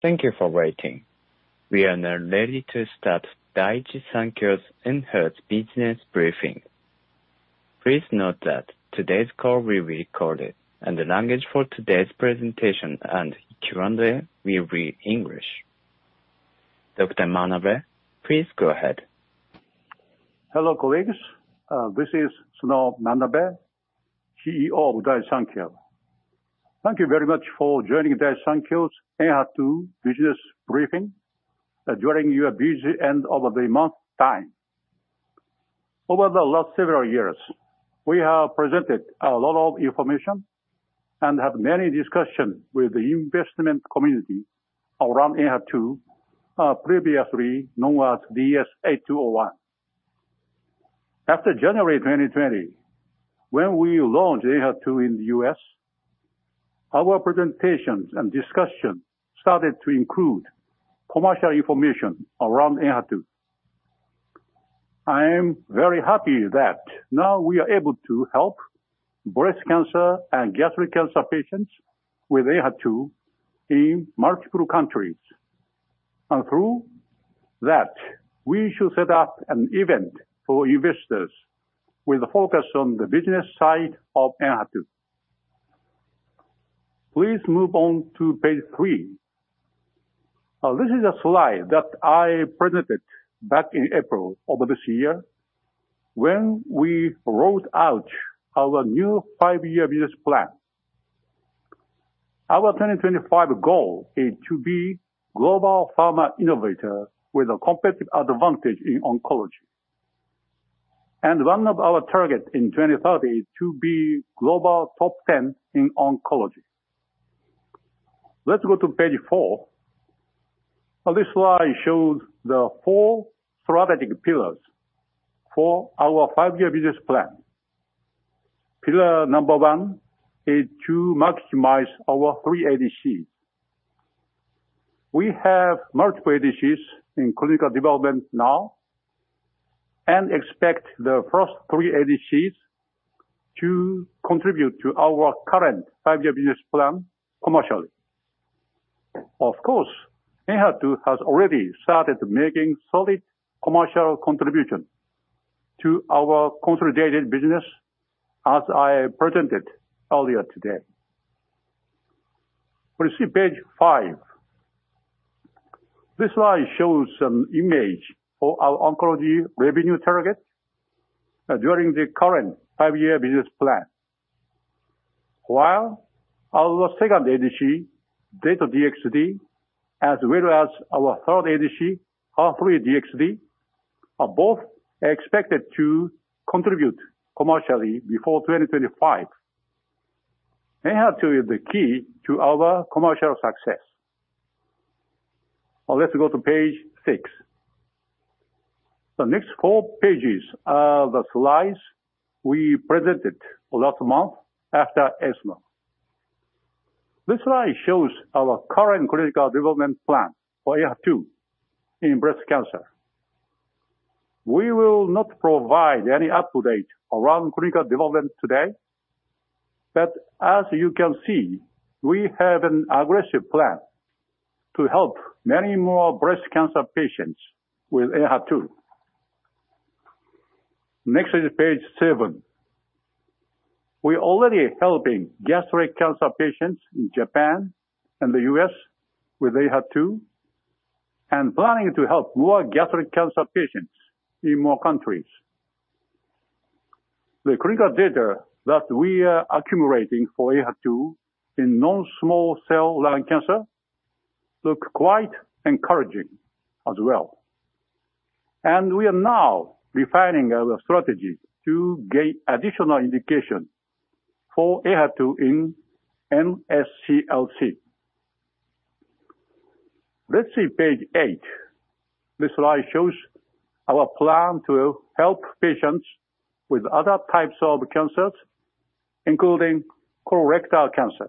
Thank you for waiting. We are now ready to start Daiichi Sankyo's Enhertu Business Briefing. Please note that today's call will be recorded, and the language for today's presentation and Q&A will be English. Dr. Manabe, please go ahead. Hello, colleagues. This is Sunao Manabe, CEO of Daiichi Sankyo. Thank you very much for joining Daiichi Sankyo's Enhertu Business Briefing during your busy end of the month time. Over the last several years, we have presented a lot of information and have many discussions with the investment community around Enhertu, previously known as DS-8201. After January 2020, when we launched Enhertu in the U.S., our presentations and discussions started to include commercial information around Enhertu. I am very happy that now we are able to help breast cancer and gastric cancer patients with Enhertu in multiple countries. Through that, we should set up an event for investors with a focus on the business side of Enhertu. Please move on to page three. This is a slide that I presented back in April of this year when we rolled out our new five-year business plan. Our 2025 goal is to be global pharma innovator with a competitive advantage in oncology. One of our targets in 2030 to be global top 10 in oncology. Let's go to page four. This slide shows the four strategic pillars for our five-year business plan. Pillar number one is to maximize our three ADCs. We have multiple ADCs in clinical development now and expect the first three ADCs to contribute to our current five-year business plan commercially. Of course, Enhertu has already started making solid commercial contribution to our consolidated business, as I presented earlier today. Please see page five. This slide shows some image for our oncology revenue targets during the current five-year business plan. While our second ADC, Dato-DXd, as well as our third ADC, HER3-DXd, are both expected to contribute commercially before 2025. Enhertu is the key to our commercial success. Now let's go to page six. The next four pages are the slides we presented last month after ESMO. This slide shows our current clinical development plan for Enhertu in breast cancer. We will not provide any update around clinical development today, but as you can see, we have an aggressive plan to help many more breast cancer patients with Enhertu. Next is page seven. We're already helping gastric cancer patients in Japan and the U.S. with Enhertu and planning to help more gastric cancer patients in more countries. The clinical data that we are accumulating for Enhertu in non-small cell lung cancer look quite encouraging as well. We are now refining our strategy to gain additional indication for Enhertu in NSCLC. Let's see page eight. This slide shows our plan to help patients with other types of cancers, including colorectal cancer.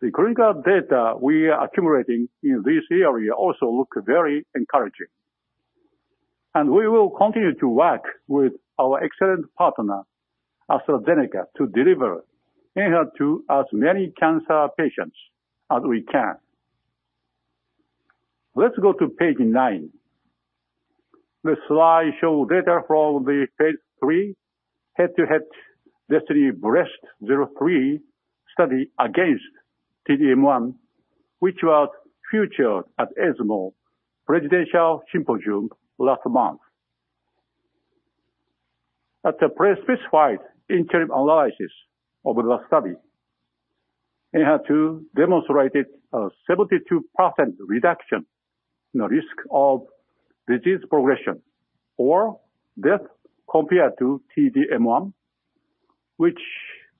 The clinical data we are accumulating in this area also look very encouraging, and we will continue to work with our excellent partner, AstraZeneca, to deliver Enhertu to as many cancer patients as we can. Let's go to page 9. This slide shows data from the phase III head-to-head DESTINY-Breast03 study against T-DM1, which was featured at ESMO Presidential Symposium last month. At the pre-specified interim analysis of the study, Enhertu demonstrated a 72% reduction in risk of disease progression or death compared to T-DM1, which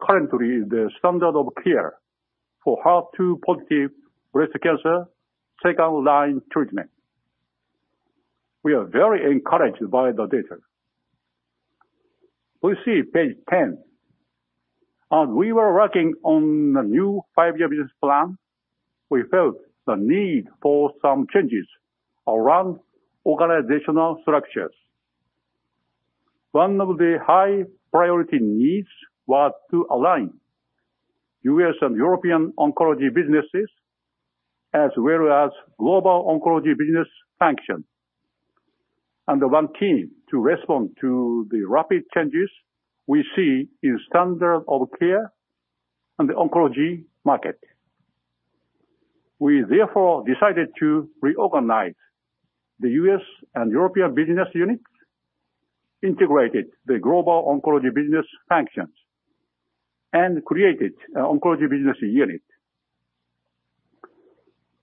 currently is the standard of care for HER2-positive breast cancer second-line treatment. We are very encouraged by the data. Please see page 10. As we were working on the new five-year business plan, we felt the need for some changes around organizational structures. One of the high priority needs was to align U.S. and European oncology businesses as well as global oncology business function under one team to respond to the rapid changes we see in standard of care in the oncology market. We therefore decided to reorganize the U.S. and European business units, integrated the global oncology business functions, and created an oncology business unit.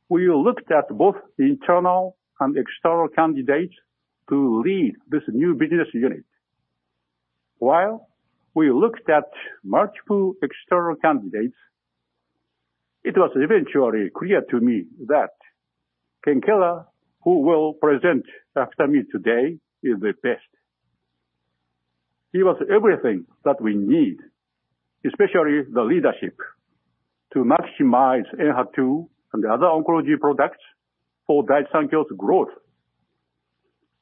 We looked at both internal and external candidates to lead this new business unit. While we looked at multiple external candidates, it was eventually clear to me that Ken Keller, who will present after me today, is the best. He was everything that we need, especially the leadership, to maximize Enhertu and the other oncology products for Daiichi Sankyo's growth.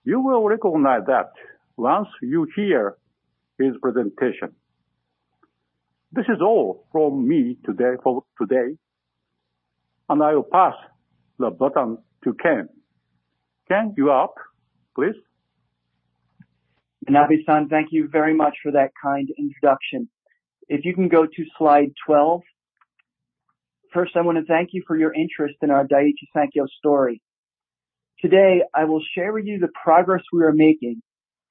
You will recognize that once you hear his presentation. This is all from me today for today, and I will pass the baton to Ken. Ken, you're up, please. Manabe-san, thank you very much for that kind introduction. If you can go to slide 12. First, I wanna thank you for your interest in our Daiichi Sankyo story. Today, I will share with you the progress we are making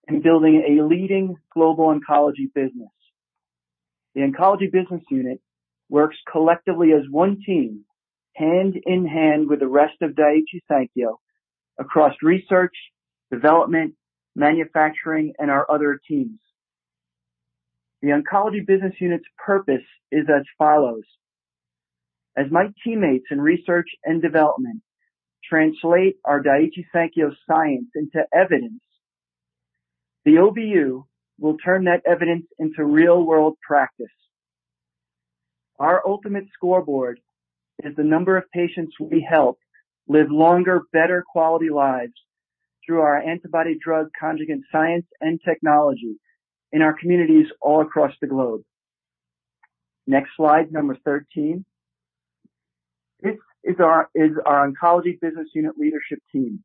in building a leading global oncology business. The Oncology Business Unit works collectively as one team hand in hand with the rest of Daiichi Sankyo across research, development, manufacturing, and our other teams. The Oncology Business Unit's purpose is as follows. As my teammates in research and development translate our Daiichi Sankyo science into evidence, the OBU will turn that evidence into real-world practice. Our ultimate scoreboard is the number of patients we help live longer, better quality lives through our antibody-drug conjugate science and technology in our communities all across the globe. Next slide, number 13. This is our oncology business unit leadership team.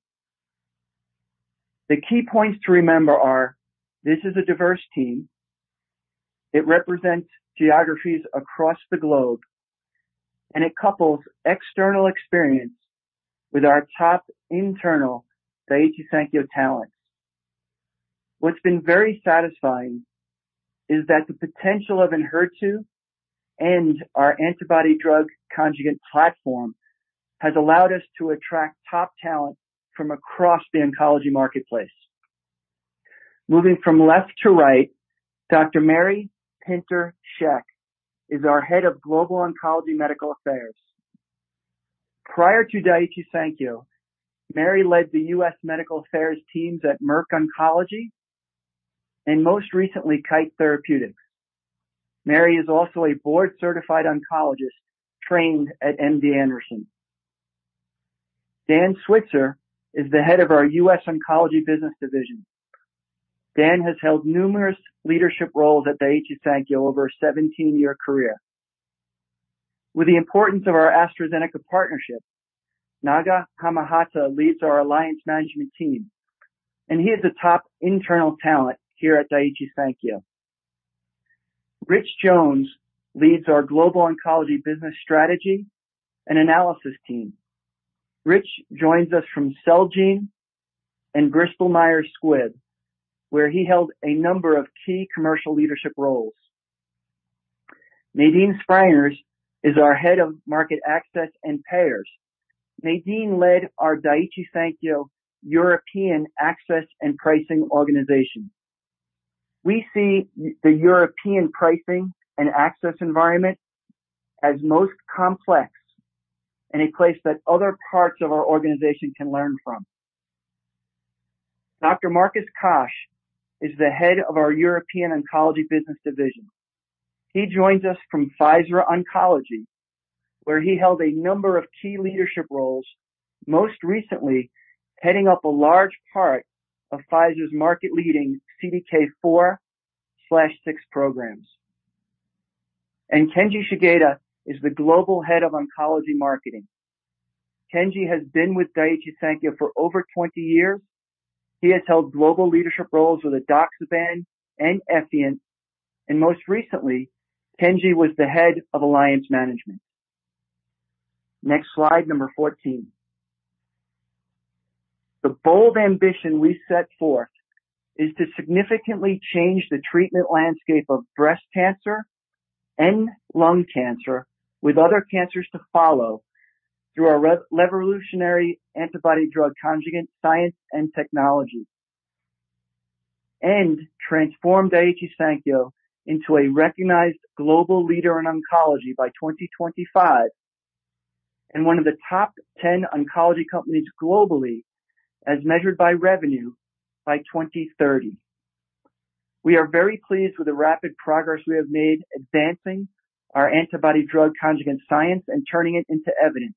The key points to remember are this is a diverse team, it represents geographies across the globe, and it couples external experience with our top internal Daiichi Sankyo talents. What's been very satisfying is that the potential of Enhertu and our antibody-drug conjugate platform has allowed us to attract top talent from across the oncology marketplace. Moving from left to right, Dr. Mary Pinter-Schenck is our head of Global Oncology Medical Affairs. Prior to Daiichi Sankyo, Mary led the U.S. medical affairs teams at Merck Oncology and most recently Kite Pharma. Mary is also a board-certified oncologist trained at MD Anderson. Dan Switzer is the head of our U.S. Oncology Business Division. Dan has held numerous leadership roles at Daiichi Sankyo over a 17-year career. With the importance of our AstraZeneca partnership, Naga Kamahata leads our alliance management team, and he is a top internal talent here at Daiichi Sankyo. Rich Jones leads our Global Oncology Business Strategy and Analysis team. Rich joins us from Celgene and Bristol Myers Squibb, where he held a number of key commercial leadership roles. Nadine Sprangers is our head of Market Access and Payers. Nadine led our Daiichi Sankyo European Access and Pricing Organization. We see the European pricing and access environment as most complex and a place that other parts of our organization can learn from. Dr. Marcus Koch is the head of our European Oncology Business Division. He joins us from Pfizer Oncology, where he held a number of key leadership roles, most recently heading up a large part of Pfizer's market-leading CDK4/6 programs. Kenji Shigeta is the Global Head of Oncology Marketing. Kenji has been with Daiichi Sankyo for over 20 years. He has held global leadership roles with Edoxaban and Effient, and most recently, Kenji was the Head of Alliance Management. Next slide, number 14. The bold ambition we set forth is to significantly change the treatment landscape of breast cancer and lung cancer with other cancers to follow through our revolutionary antibody drug conjugate science and technology, and transform Daiichi Sankyo into a recognized global leader in oncology by 2025, and one of the top 10 oncology companies globally as measured by revenue by 2030. We are very pleased with the rapid progress we have made advancing our antibody-drug conjugate science and turning it into evidence.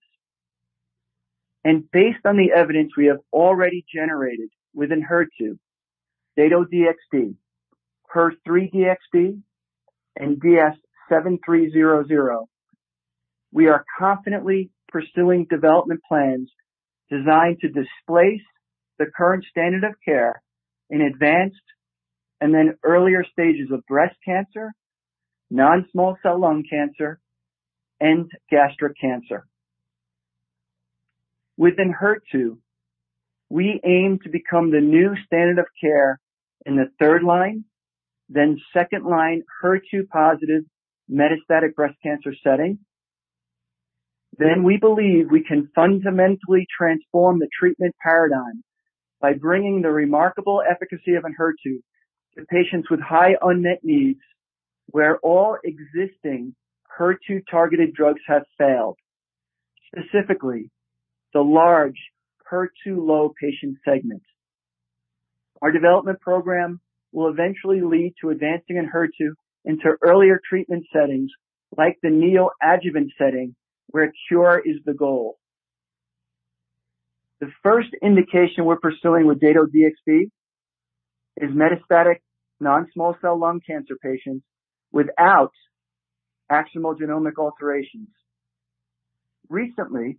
Based on the evidence we have already generated within HER2, Dato-DXd, HER3-DXd, and DS-7300, we are confidently pursuing development plans designed to displace the current standard of care in advanced and then earlier stages of breast cancer, non-small cell lung cancer, and gastric cancer. Within HER2, we aim to become the new standard of care in the third line, then second line HER2-positive metastatic breast cancer setting. We believe we can fundamentally transform the treatment paradigm by bringing the remarkable efficacy of Enhertu to patients with high unmet needs where all existing HER2-targeted drugs have failed, specifically the large HER2-low patient segment. Our development program will eventually lead to advancing Enhertu into earlier treatment settings like the neoadjuvant setting where cure is the goal. The first indication we're pursuing with Dato-DXd is metastatic non-small cell lung cancer patients without actionable genomic alterations. Recently,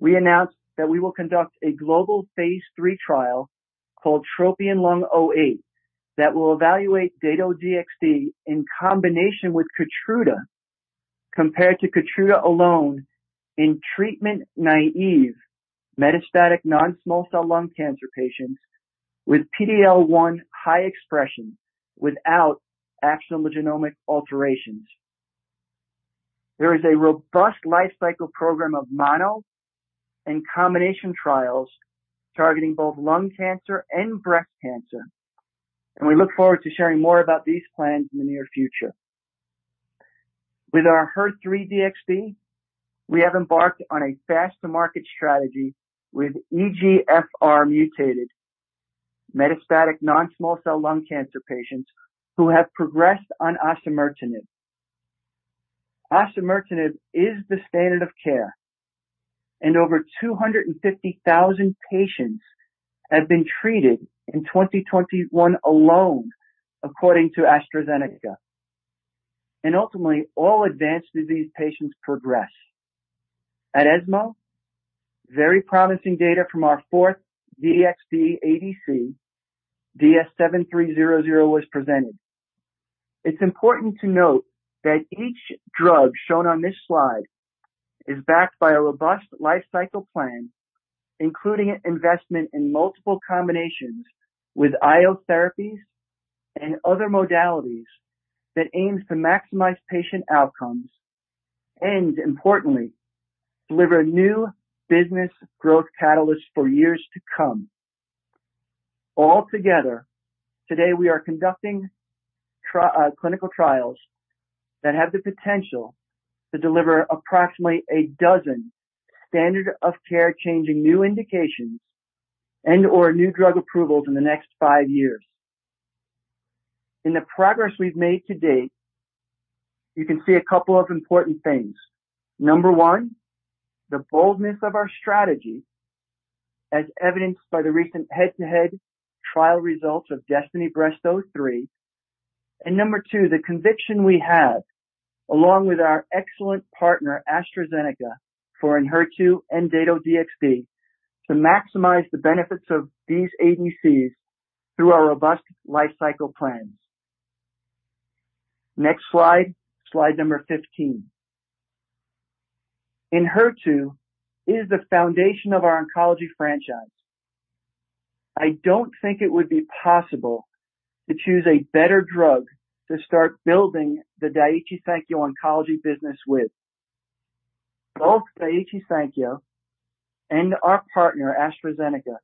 we announced that we will conduct a global phase III trial called TROPION-Lung08 that will evaluate Dato-DXd in combination with Keytruda compared to Keytruda alone in treatment-naive metastatic non-small cell lung cancer patients with PDL1 high expression without actionable genomic alterations. There is a robust lifecycle program of mono and combination trials targeting both lung cancer and breast cancer, and we look forward to sharing more about these plans in the near future. With our HER3-DXd, we have embarked on a fast-to-market strategy with EGFR-mutated metastatic non-small cell lung cancer patients who have progressed on osimertinib. Osimertinib is the standard of care, and over 250,000 patients have been treated in 2021 alone, according to AstraZeneca. Ultimately, all advanced disease patients progress. At ESMO, very promising data from our fourth DXd ADC, DS-7300, was presented. It's important to note that each drug shown on this slide is backed by a robust lifecycle plan, including investment in multiple combinations with IO therapies and other modalities that aims to maximize patient outcomes and, importantly, deliver new business growth catalysts for years to come. All together, today we are conducting clinical trials that have the potential to deliver approximately a dozen standard-of-care-changing new indications and or new drug approvals in the next five years. In the progress we've made to date, you can see a couple of important things. Number one, the boldness of our strategy, as evidenced by the recent head-to-head trial results of DESTINY-Breast03. Number two, the conviction we have, along with our excellent partner, AstraZeneca, for Enhertu and Dato-DXd, to maximize the benefits of these ADCs through our robust lifecycle plans. Next slide number 15. Enhertu is the foundation of our Oncology franchise. I don't think it would be possible to choose a better drug to start building the Daiichi Sankyo Oncology Business with. Both Daiichi Sankyo and our partner, AstraZeneca,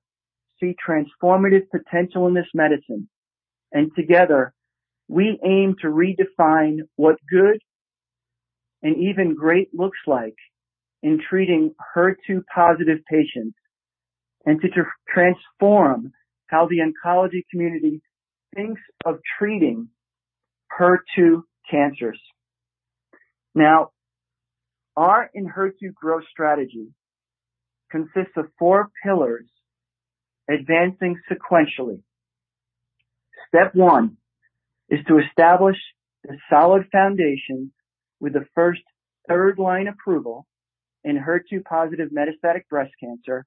see transformative potential in this medicine. Together, we aim to redefine what good and even great looks like in treating HER2-positive patients and to transform how the oncology community thinks of treating HER2 cancers. Now, our Enhertu growth strategy consists of four pillars advancing sequentially. Step one is to establish a solid foundation with the first third-line approval in HER2-positive metastatic breast cancer,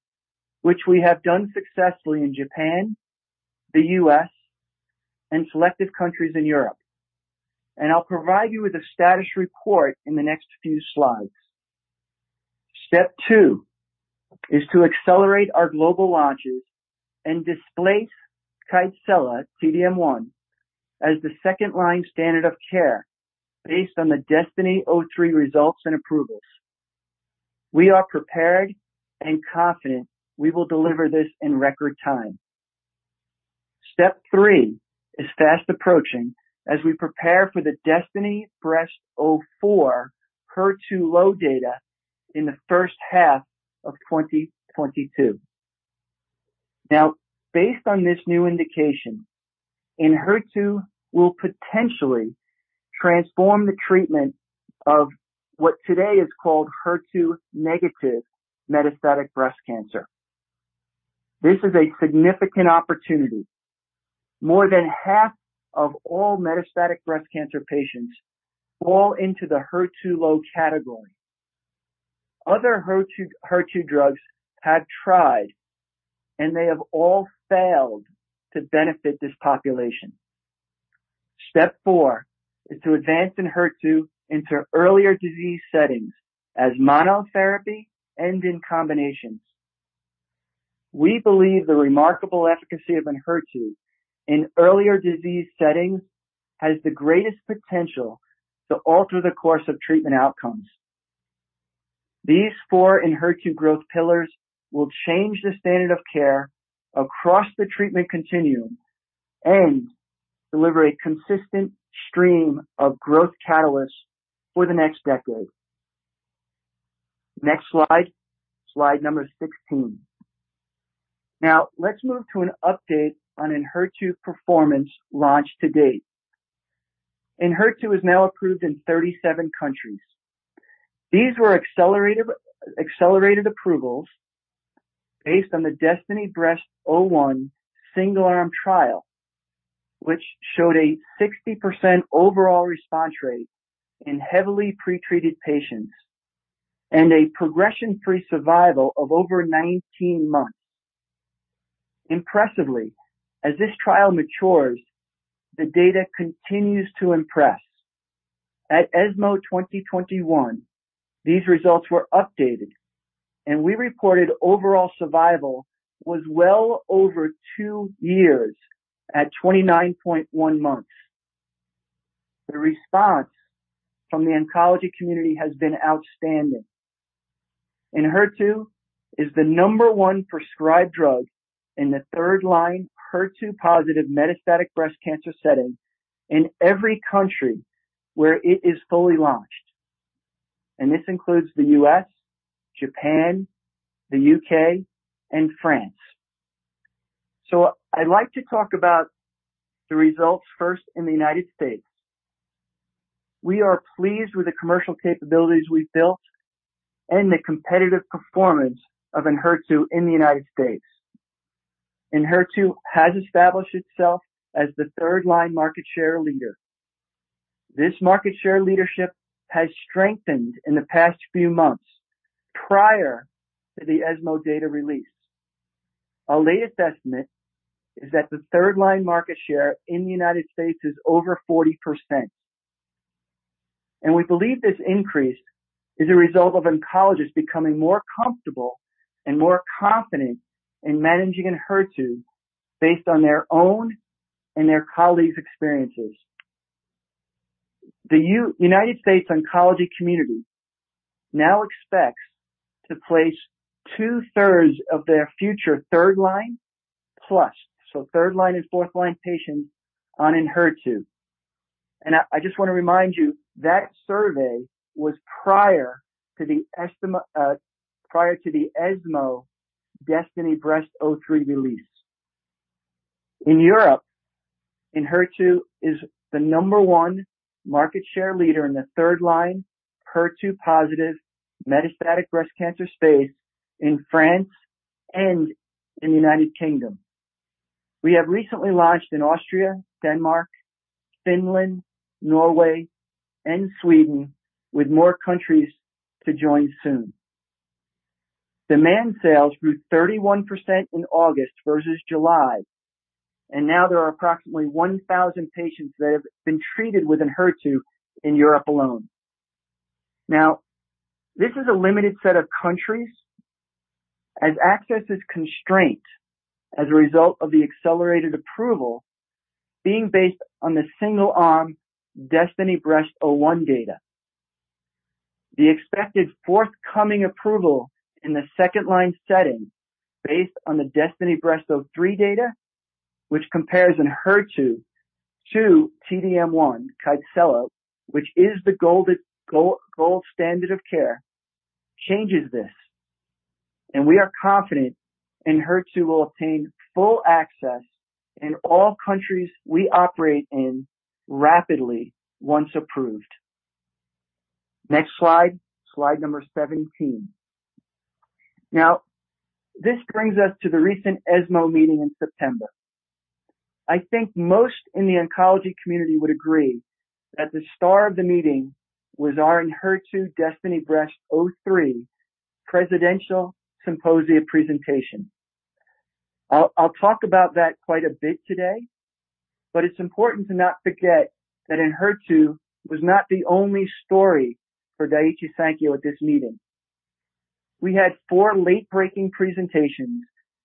which we have done successfully in Japan, the U.S., and select countries in Europe. I'll provide you with a status report in the next few slides. Step two is to accelerate our global launches and displace Kadcyla T-DM1 as the second-line standard of care based on the DESTINY-Breast03 results and approvals. We are prepared and confident we will deliver this in record time. Step three is fast approaching as we prepare for the DESTINY-Breast04 HER2-low data in the first half of 2022. Now, based on this new indication, Enhertu will potentially transform the treatment of what today is called HER2-negative metastatic breast cancer. This is a significant opportunity. More than half of all metastatic breast cancer patients fall into the HER2-low category. Other HER2 drugs have tried, and they have all failed to benefit this population. Step four is to advance Enhertu into earlier disease settings as monotherapy and in combinations. We believe the remarkable efficacy of Enhertu in earlier disease settings has the greatest potential to alter the course of treatment outcomes. These four Enhertu growth pillars will change the standard of care across the treatment continuum and deliver a consistent stream of growth catalysts for the next decade. Next slide number 16. Now let's move to an update on Enhertu performance launched to date. Enhertu is now approved in 37 countries. These were accelerated approvals based on the DESTINY-Breast01 single-arm trial, which showed a 60% overall response rate in heavily pretreated patients and a progression-free survival of over 19 months. Impressively, as this trial matures, the data continues to impress. At ESMO 2021, these results were updated, and we reported overall survival was well over two years at 29.1 months. The response from the oncology community has been outstanding. Enhertu is the number one prescribed drug in the third-line HER2-positive metastatic breast cancer setting in every country where it is fully launched, and this includes the U.S., Japan, the U.K., and France. I'd like to talk about the results first in the United States. We are pleased with the commercial capabilities we've built and the competitive performance of Enhertu in the United States. Enhertu has established itself as the third-line market share leader. This market share leadership has strengthened in the past few months prior to the ESMO data release. Our latest estimate is that the third-line market share in the United States is over 40%, and we believe this increase is a result of oncologists becoming more comfortable and more confident in managing Enhertu based on their own and their colleagues' experiences. The U.S. oncology community now expects to place 2/3 of their future third line plus, so third line and fourth line patients, on Enhertu. I just want to remind you that survey was prior to the ESMO DESTINY-Breast03 release. In Europe, Enhertu is the number one market share leader in the third-line HER2-positive metastatic breast cancer space in France and in the U.K. We have recently launched in Austria, Denmark, Finland, Norway, and Sweden, with more countries to join soon. Demand sales grew 31% in August vs July, and now there are approximately 1,000 patients that have been treated with Enhertu in Europe alone. This is a limited set of countries as access is constrained as a result of the accelerated approval being based on the single-arm DESTINY-Breast01 data. The expected forthcoming approval in the second-line setting based on the DESTINY-Breast03 data, which compares Enhertu to T-DM1, Kadcyla, which is the gold standard of care, changes this, and we are confident Enhertu will obtain full access in all countries we operate in rapidly once approved. Next slide number 17. Now, this brings us to the recent ESMO meeting in September. I think most in the oncology community would agree that the star of the meeting was our Enhertu DESTINY-Breast03 Presidential Symposium presentation. I'll talk about that quite a bit today, but it's important to not forget that Enhertu was not the only story for Daiichi Sankyo at this meeting. We had four late-breaking presentations,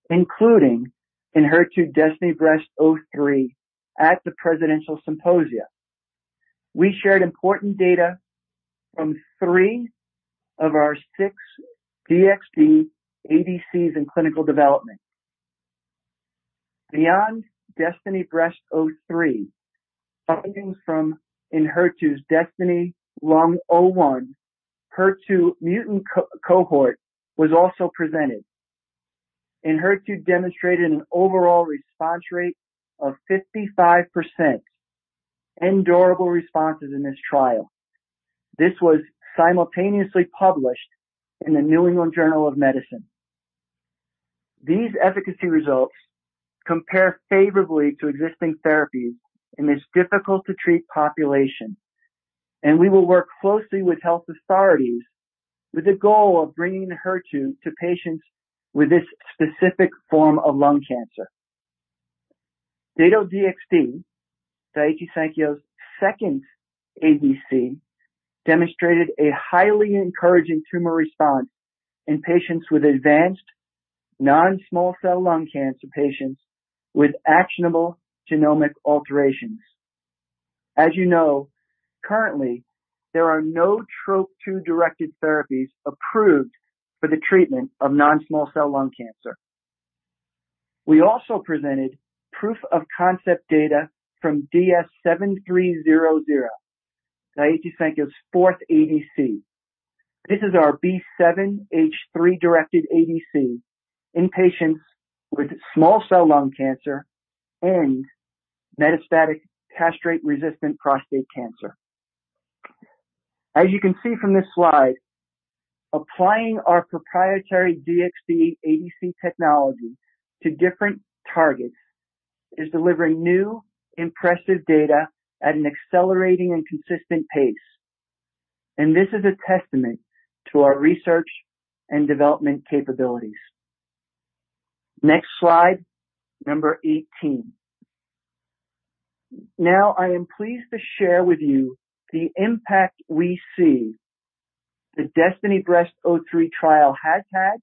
including Enhertu DESTINY-Breast03 at the Presidential Symposium. We shared important data from three of our six DXd ADCs in clinical development. Beyond DESTINY-Breast03, findings from Enhertu's DESTINY-Lung01 HER2-mutant cohort was also presented. Enhertu demonstrated an overall response rate of 55% and durable responses in this trial. This was simultaneously published in the New England Journal of Medicine. These efficacy results compare favorably to existing therapies in this difficult-to-treat population, and we will work closely with health authorities with the goal of bringing Enhertu to patients with this specific form of lung cancer. Dato-DXd, Daiichi Sankyo's second ADC, demonstrated a highly encouraging tumor response in patients with advanced non-small cell lung cancer with actionable genomic alterations. As you know, currently, there are no Trop-2 directed therapies approved for the treatment of non-small cell lung cancer. We also presented proof of concept data from DS-7300, Daiichi Sankyo's fourth ADC. This is our B7-H3-directed ADC in patients with small cell lung cancer and metastatic castrate-resistant prostate cancer. As you can see from this slide, applying our proprietary DXd ADC technology to different targets is delivering new impressive data at an accelerating and consistent pace. This is a testament to our research and development capabilities. Next slide, number 18. Now I am pleased to share with you the impact we see the DESTINY-Breast03 trial has had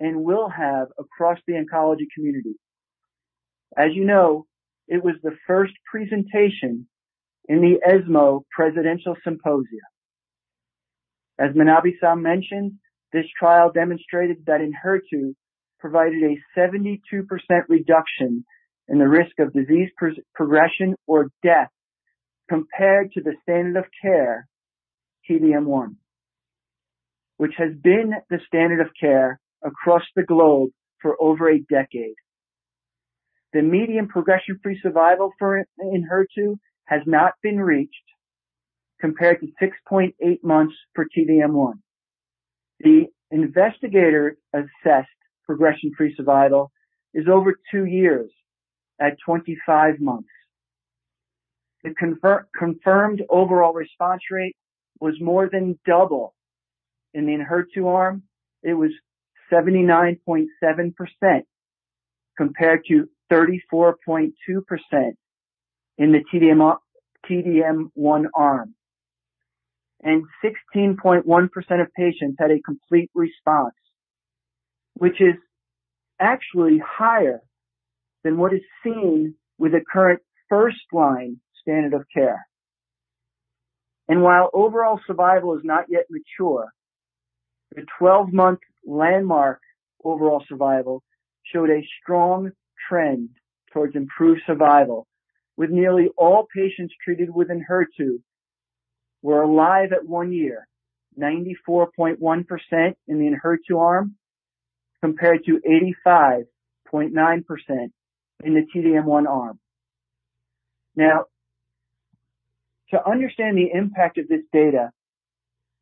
and will have across the oncology community. As you know, it was the first presentation in the ESMO Presidential Symposia. As Manabe-san mentioned, this trial demonstrated that Enhertu provided a 72% reduction in the risk of disease progression or death compared to the standard of care T-DM1, which has been the standard of care across the globe for over a decade. The median progression-free survival for Enhertu has not been reached, compared to 6.8 months for T-DM1. The investigator-assessed progression-free survival is over two years at 25 months. The confirmed overall response rate was more than double. In the Enhertu arm, it was 79.7% compared to 34.2% in the T-DM1 arm. 16.1% of patients had a complete response, which is actually higher than what is seen with the current first-line standard of care. While overall survival is not yet mature, the 12-month landmark overall survival showed a strong trend towards improved survival, with nearly all patients treated with Enhertu were alive at one year, 94.1% in the Enhertu arm compared to 85.9% in the T-DM1 arm. Now, to understand the impact of this data,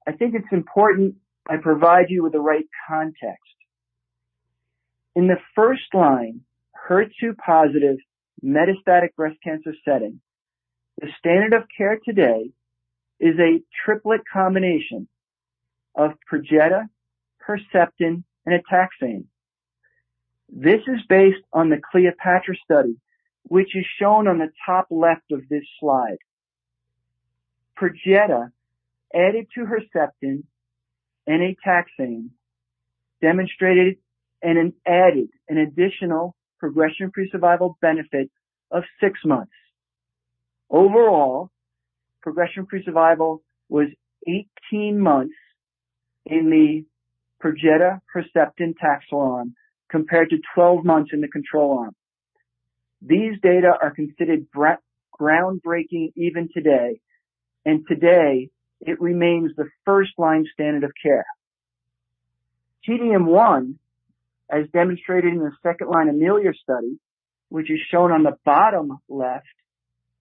I think it's important I provide you with the right context. In the first-line HER2-positive metastatic breast cancer setting, the standard of care today is a triplet combination of Perjeta, Herceptin, and a taxane. This is based on the CLEOPATRA study, which is shown on the top left of this slide. Perjeta added to Herceptin and a taxane demonstrated an additional progression-free survival benefit of six months. Overall, progression-free survival was 18 months in the Perjeta, Herceptin, taxane arm compared to 12 months in the control arm. These data are considered groundbreaking even today, and today it remains the first-line standard of care. T-DM1, as demonstrated in the second line EMILIA study, which is shown on the bottom left,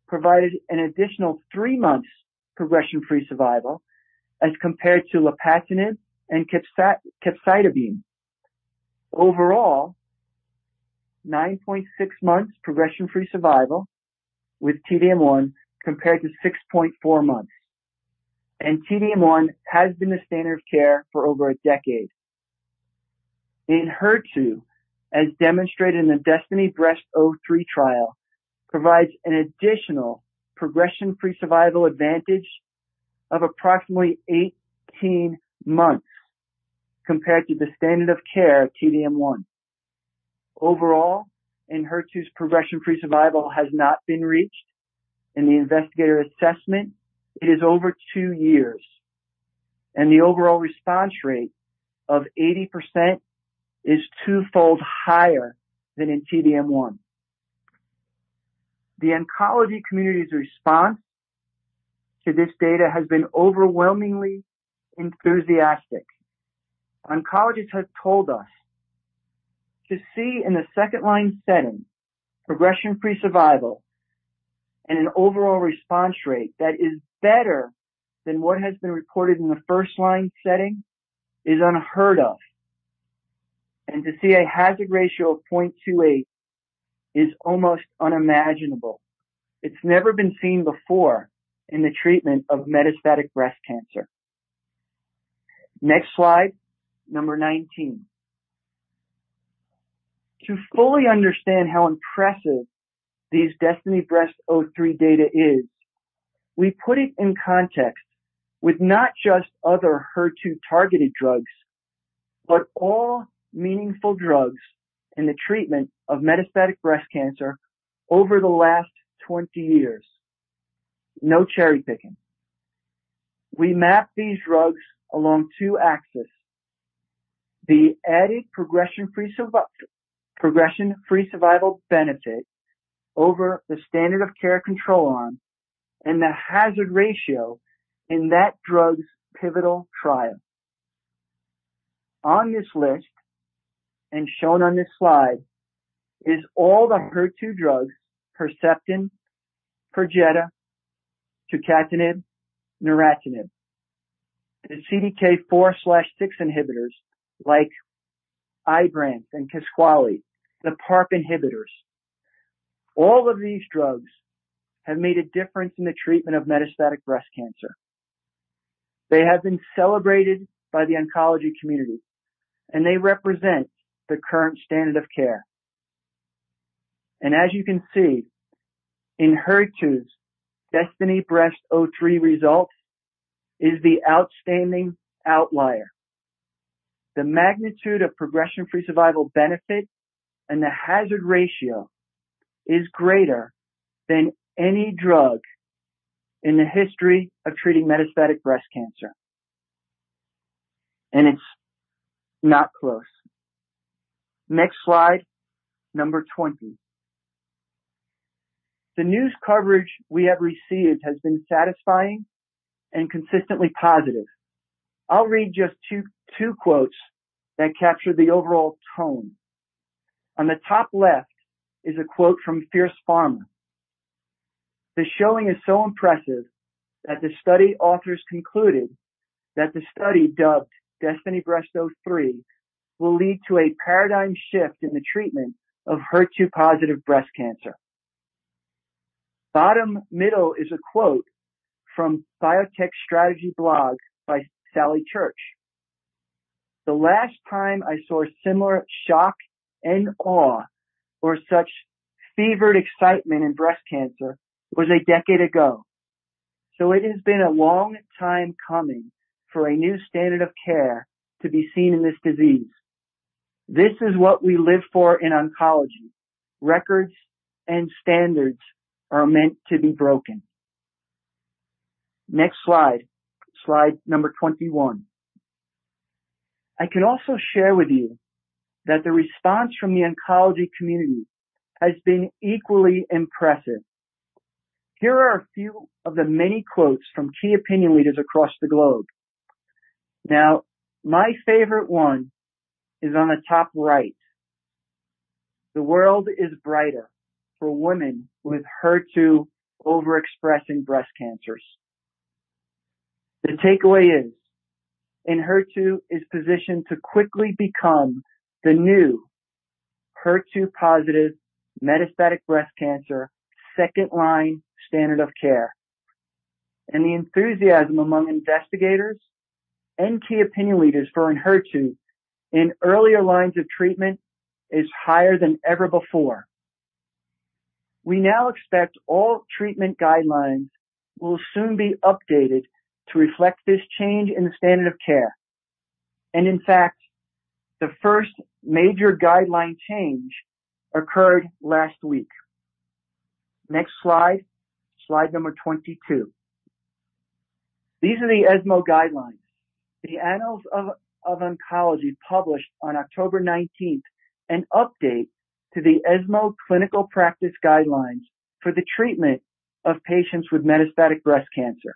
provided an additional three months progression-free survival as compared to Lapatinib and capecitabine. Overall, 9.6 months progression-free survival with T-DM1 compared to 6.4 months. T-DM1 has been the standard of care for over a decade. Enhertu, as demonstrated in the DESTINY-Breast03 trial, provides an additional progression-free survival advantage of approximately 18 months compared to the standard of care T-DM1. Overall, Enhertu's progression-free survival has not been reached. In the investigator assessment, it is over two years. The overall response rate of 80% is twofold higher than in T-DM1. The oncology community's response to this data has been overwhelmingly enthusiastic. Oncologists have told us that to see in a second-line setting progression-free survival and an overall response rate that is better than what has been recorded in the first-line setting is unheard of. To see a hazard ratio of 0.28x is almost unimaginable. It's never been seen before in the treatment of metastatic breast cancer. Next slide, number 19. To fully understand how impressive this DESTINY-Breast03 data is, we put it in context with not just other HER2-targeted drugs, but all meaningful drugs in the treatment of metastatic breast cancer over the last 20 years. No cherry-picking. We map these drugs along two axes, the added progression-free survival benefit over the standard of care control arm and the hazard ratio in that drug's pivotal trial. On this list and shown on this slide is all the HER2 drugs, Herceptin, Perjeta, tucatinib, neratinib, the CDK4/6 inhibitors like Ibrance and Kisqali, the PARP inhibitors. All of these drugs have made a difference in the treatment of metastatic breast cancer. They have been celebrated by the oncology community, and they represent the current standard of care. As you can see, Enhertu's DESTINY-Breast03 result is the outstanding outlier. The magnitude of progression-free survival benefit and the hazard ratio is greater than any drug in the history of treating metastatic breast cancer. It's not close. Next slide, number 20. The news coverage we have received has been satisfying and consistently positive. I'll read just two quotes that capture the overall tone. On the top left is a quote from Fierce Pharma. "The showing is so impressive that the study authors concluded that the study, dubbed DESTINY-Breast03, will lead to a paradigm shift in the treatment of HER2-positive breast cancer." Bottom middle is a quote from Biotech Strategy Blog by Sally Church. "The last time I saw similar shock and awe or such fevered excitement in breast cancer was a decade ago, so it has been a long time coming for a new standard of care to be seen in this disease. This is what we live for in oncology. Records and standards are meant to be broken. Next slide. Slide number 21. I can also share with you that the response from the oncology community has been equally impressive. Here are a few of the many quotes from key opinion leaders across the globe. Now, my favorite one is on the top right. "The world is brighter for women with HER2 overexpressing breast cancers." The takeaway is Enhertu is positioned to quickly become the new HER2-positive metastatic breast cancer second-line standard of care. The enthusiasm among investigators and key opinion leaders for Enhertu in earlier lines of treatment is higher than ever before. We now expect all treatment guidelines will soon be updated to reflect this change in the standard of care. In fact, the first major guideline change occurred last week. Next slide. Slide number 22. These are the ESMO guidelines. The Annals of Oncology published on October 19th, an update to the ESMO clinical practice guidelines for the treatment of patients with metastatic breast cancer.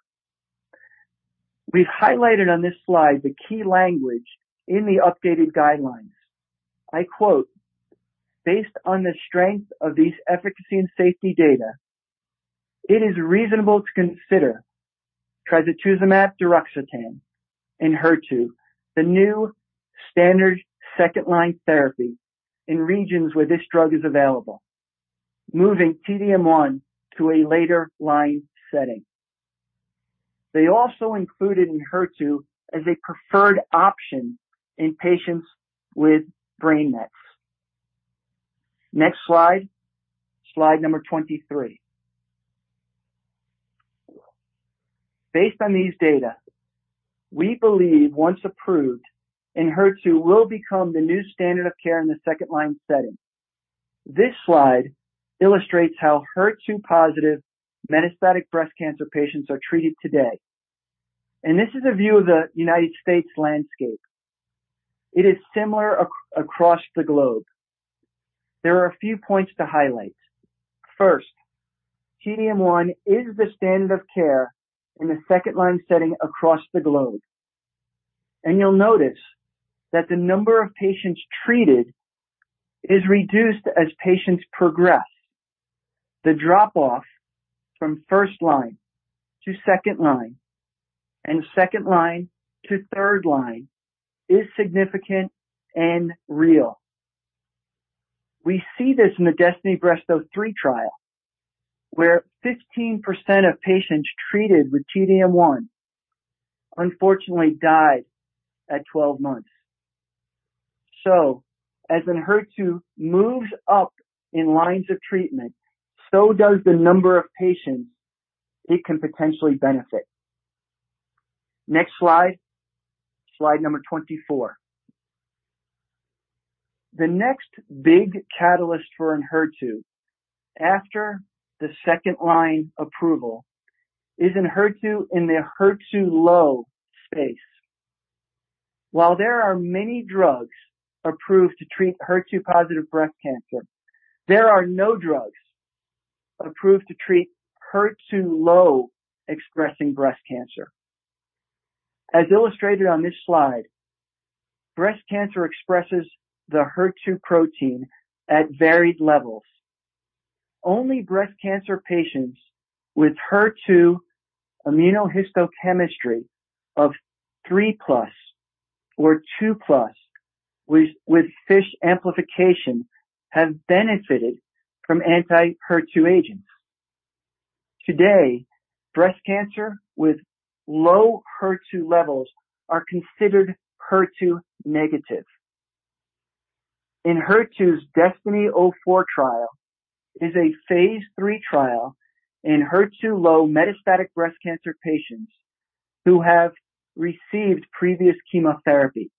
We've highlighted on this slide the key language in the updated guidelines. I quote, "Based on the strength of these efficacy and safety data, it is reasonable to consider trastuzumab deruxtecan, Enhertu, the new standard second-line therapy in regions where this drug is available, moving T-DM1 to a later line setting." They also included Enhertu as a preferred option in patients with brain mets. Next slide. Slide number 23. Based on these data, we believe once approved, Enhertu will become the new standard of care in the second-line setting. This slide illustrates how HER2-positive metastatic breast cancer patients are treated today. This is a view of the United States landscape. It is similar across the globe. There are a few points to highlight. First, T-DM1 is the standard of care in the second-line setting across the globe. You'll notice that the number of patients treated is reduced as patients progress. The drop off from first line to second line and second line to third line is significant and real. We see this in the DESTINY-Breast03 trial, where 15% of patients treated with T-DM1 unfortunately died at 12 months. As Enhertu moves up in lines of treatment, so does the number of patients it can potentially benefit. Next slide number 24. The next big catalyst for Enhertu after the second-line approval is Enhertu in the HER2-low space. While there are many drugs approved to treat HER2-positive breast cancer, there are no drugs approved to treat HER2-low expressing breast cancer. As illustrated on this slide, breast cancer expresses the HER2 protein at varied levels. Only breast cancer patients with HER2 immunohistochemistry of 3+ or 2+ with FISH amplification have benefited from anti-HER2 agents. Today, breast cancer with low HER2 levels are considered HER2 negative. Enhertu's DESTINY-Breast04 trial is a phase III trial in HER2-low metastatic breast cancer patients who have received previous chemotherapy.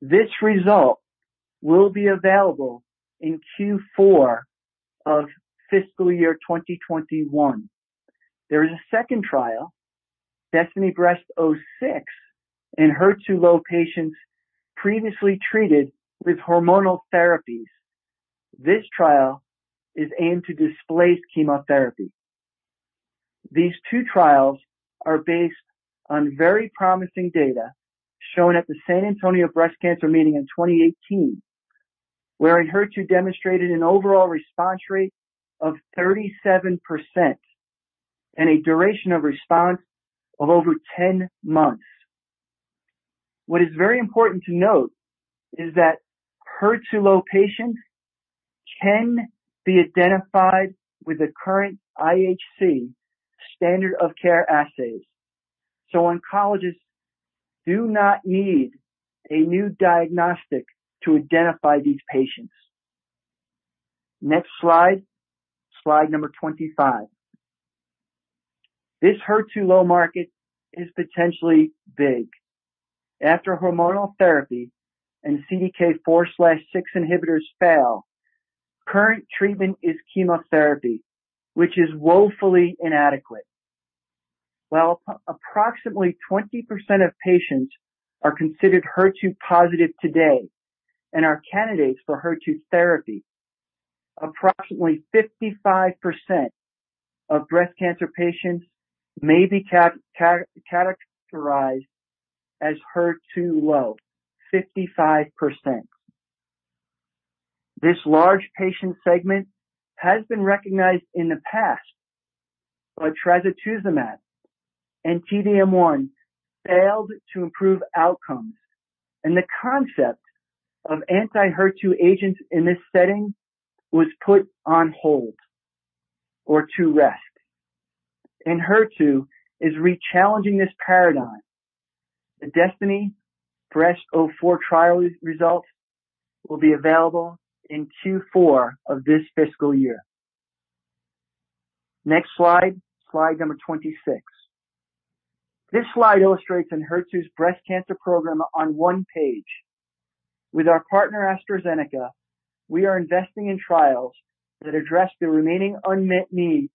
This result will be available in Q4 of fiscal year 2021. There is a second trial, DESTINY-Breast06, in HER2-low patients previously treated with hormonal therapies. This trial is aimed to displace chemotherapy. These two trials are based on very promising data shown at the San Antonio Breast Cancer Symposium in 2018, where Enhertu demonstrated an overall response rate of 37% and a duration of response of over 10 months. What is very important to note is that HER2-low patients can be identified with the current IHC standard of care assays, so oncologists do not need a new diagnostic to identify these patients. Next slide number 25. This HER2-low market is potentially big. After hormonal therapy and CDK4/6 inhibitors fail, current treatment is chemotherapy, which is woefully inadequate. While approximately 20% of patients are considered HER2 positive today and are candidates for HER2 therapy, approximately 55% of breast cancer patients may be characterized as HER2-low, 55%. This large patient segment has been recognized in the past by trastuzumab, and T-DM1 failed to improve outcomes, and the concept of anti-HER2 agents in this setting was put on hold or to rest. Enhertu is rechallenging this paradigm. The DESTINY-Breast04 trial results will be available in Q4 of this fiscal year. Next slide number 26. This slide illustrates Enhertu's breast cancer program on one page. With our partner AstraZeneca, we are investing in trials that address the remaining unmet need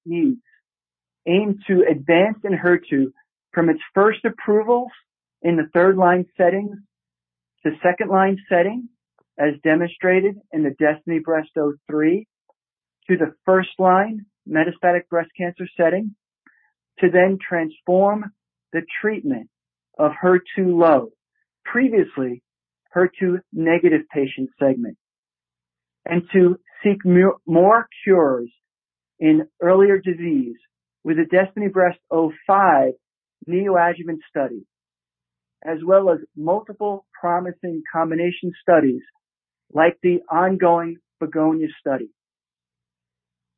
aimed to advance Enhertu from its first approvals in the third-line setting to second-line setting, as demonstrated in the DESTINY-Breast03, to the first-line metastatic breast cancer setting, to then transform the treatment of HER2-low, previously HER2-negative patient segment, and to seek more cures in earlier disease with the DESTINY-Breast05 neoadjuvant study, as well as multiple promising combination studies like the ongoing BEGONIA study.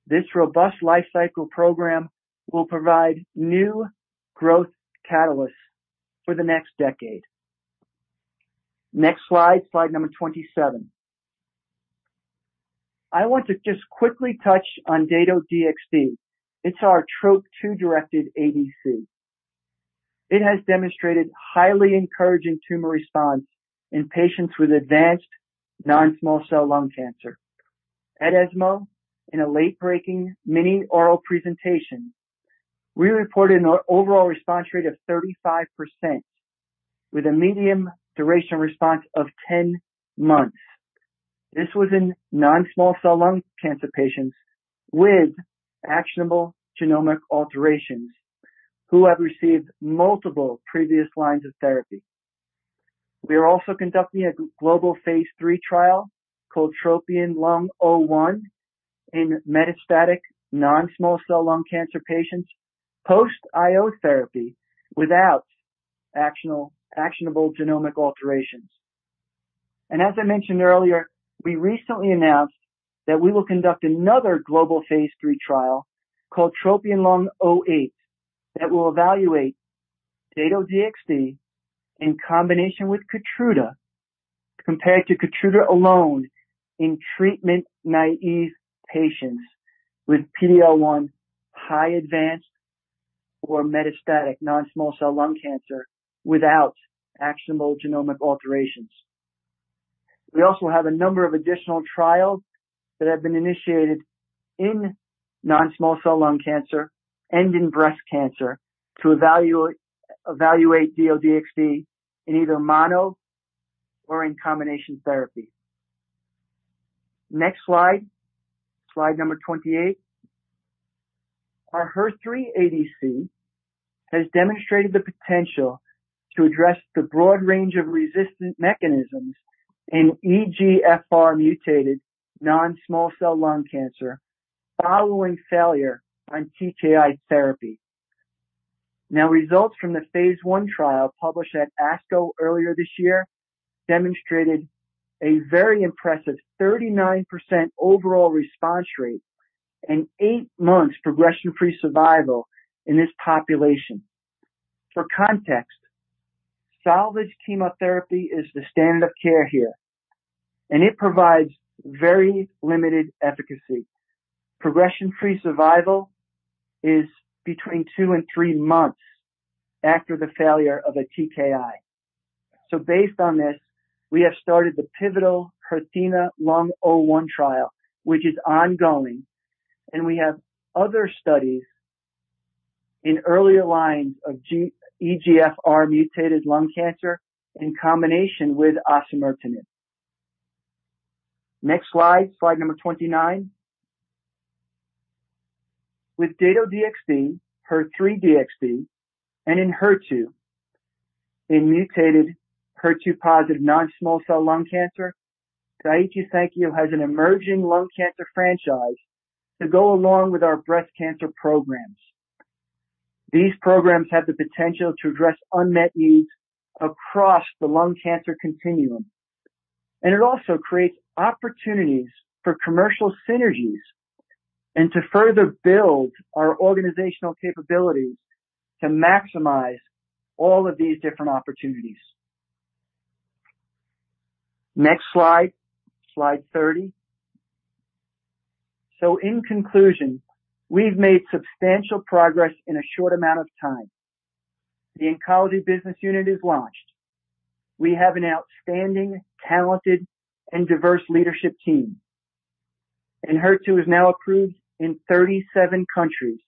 This robust life cycle program will provide new growth catalysts for the next decade. Next slide number 27. I want to just quickly touch on Dato-DXd. It's our Trop-2 directed ADC. It has demonstrated highly encouraging tumor response in patients with advanced non-small cell lung cancer. At ESMO, in a late-breaking mini oral presentation, we reported an overall response rate of 35% with a median duration response of 10 months. This was in non-small cell lung cancer patients with actionable genomic alterations who have received multiple previous lines of therapy. We are also conducting a global phase III trial called TROPION-Lung01 in metastatic non-small cell lung cancer patients post-IO therapy without actionable genomic alterations. We recently announced that we will conduct another global phase III trial called TROPION-Lung08 that will evaluate Dato-DXd in combination with Keytruda, compared to Keytruda alone in treatment-naive patients with PD-L1-high advanced or metastatic non-small cell lung cancer without actionable genomic alterations. We also have a number of additional trials that have been initiated in non-small cell lung cancer and in breast cancer to evaluate Dato-DXd in either mono or in combination therapy. Next slide. Slide number 28. Our HER3 ADC has demonstrated the potential to address the broad range of resistant mechanisms in EGFR mutated non-small cell lung cancer following failure on TKI therapy. Results from the phase I trial published at ASCO earlier this year demonstrated a very impressive 39% overall response rate and eight months progression-free survival in this population. For context, salvage chemotherapy is the standard of care here, and it provides very limited efficacy. Progression-free survival is between two and three months after the failure of a TKI. Based on this, we have started the pivotal HERTHENA-Lung01 trial, which is ongoing. We have other studies in earlier lines of EGFR mutated lung cancer in combination with osimertinib. Next slide number 29. With Dato-DXd, HER3-DXd, and in HER2, a mutated HER2 positive non-small cell lung cancer, Daiichi Sankyo has an emerging lung cancer franchise to go along with our breast cancer programs. These programs have the potential to address unmet needs across the lung cancer continuum. It also creates opportunities for commercial synergies and to further build our organizational capabilities to maximize all of these different opportunities. Next slide 30. In conclusion, we've made substantial progress in a short amount of time. The Oncology Business Unit is launched. We have an outstanding, talented, and diverse leadership team. Enhertu is now approved in 37 countries,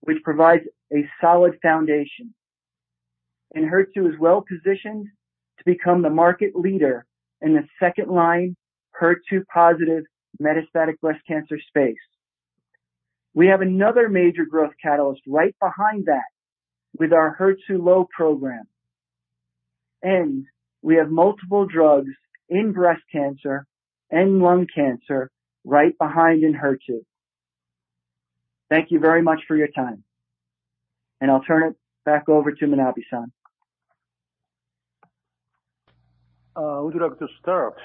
which provides a solid foundation. Enhertu is well-positioned to become the market leader in the second-line HER2 positive metastatic breast cancer space. We have another major growth catalyst right behind that with our HER2-low program. We have multiple drugs in breast cancer and lung cancer right behind Enhertu. Thank you very much for your time. I'll turn it back over to Manabe-san. Would you like to start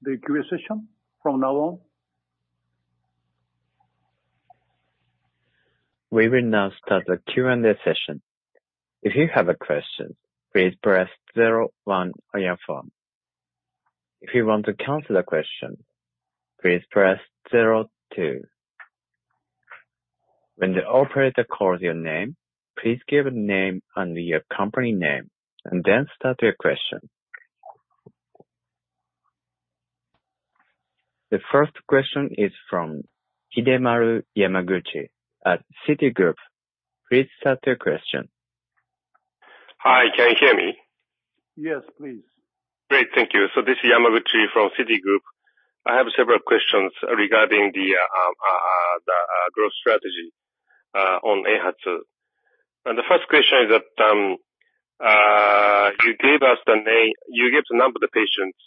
the Q&A session from now on? We will now start the Q&A session. If you have a question, please press zero one on your phone. If you want to cancel a question, please press zero two. When the operator calls your name, please give your name and your company name and then start your question. The first question is from Hidemaru Yamaguchi at Citigroup. Please start your question. Hi. Can you hear me? Yes, please. Great, thank you. This is Yamaguchi from Citigroup. I have several questions regarding the growth strategy on Enhertu. The first question is that you gave the number of the patients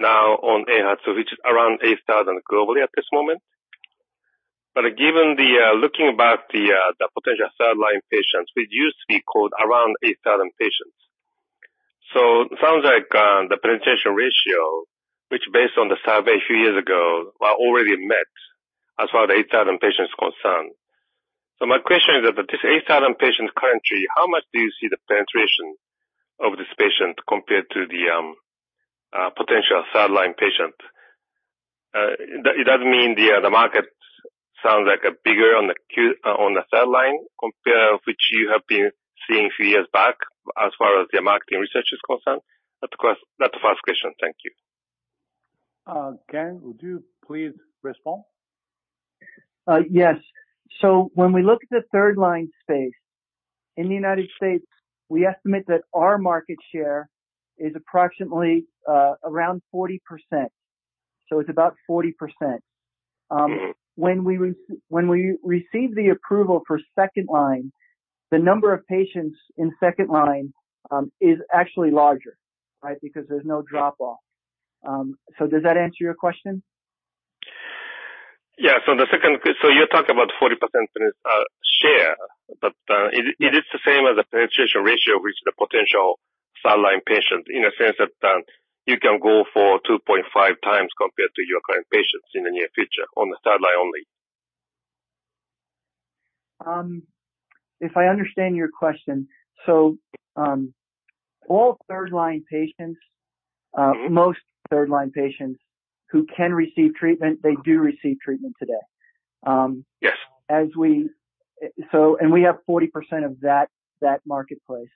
now on Enhertu, which is around 8,000 globally at this moment. Given the looking back the potential third line patients, which used to be called around 8,000 patients. It sounds like the penetration ratio, which based on the survey a few years ago, are already met as far as the 8,000 patients concerned. My question is that with these 8,000 patients currently, how much do you see the penetration of this patient compared to the potential third-line patient? It doesn't mean the market sounds like it's bigger on the third line compared to what you have been seeing a few years back as far as your marketing research is concerned. That's the first question. Thank you. Ken, would you please respond? Yes. When we look at the third-line space, in the United States, we estimate that our market share is approximately around 40%. It's about 40%. Yeah. When we receive the approval for second line, the number of patients in second line is actually larger, right? Because there's no drop-off. Does that answer your question? You're talking about 40% as share, but Yes. It is the same as the penetration ratio with the potential third-line patients in a sense that you can go for 2.5 times compared to your current patients in the near future on the third-line only. If I understand your question, all third-line patients Mm-hmm. Most third line patients who can receive treatment, they do receive treatment today. Yes. We have 40% of that marketplace.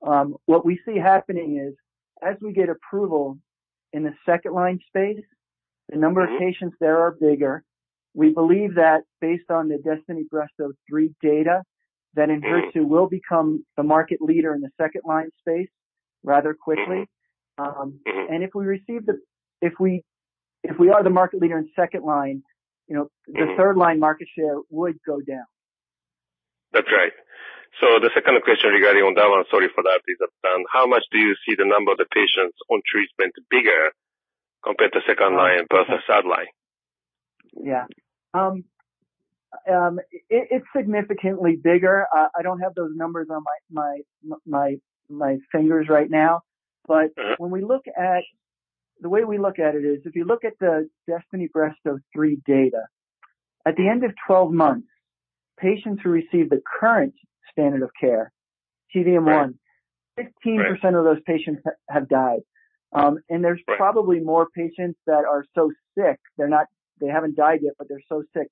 What we see happening is as we get approval in the second line space- Mm-hmm. The number of patients there are bigger. We believe that based on the DESTINY-Breast03 data, that Enhertu will become the market leader in the second line space rather quickly. Mm-hmm. If we are the market leader in second line, you know. Yeah. The third line market share would go down. That's right. The second question regarding on that one, sorry for that, is that, how much do you see the number of the patients on treatment bigger compared to second line vs third line? Yeah. It's significantly bigger. I don't have those numbers on my fingers right now. When we look at it, the way we look at it is, if you look at the DESTINY-Breast03 data, at the end of 12 months, patients who receive the current standard of care, T-DM1 Right. 15% of those patients have died. Right. Probably more patients that are so sick, they haven't died yet, but they're so sick.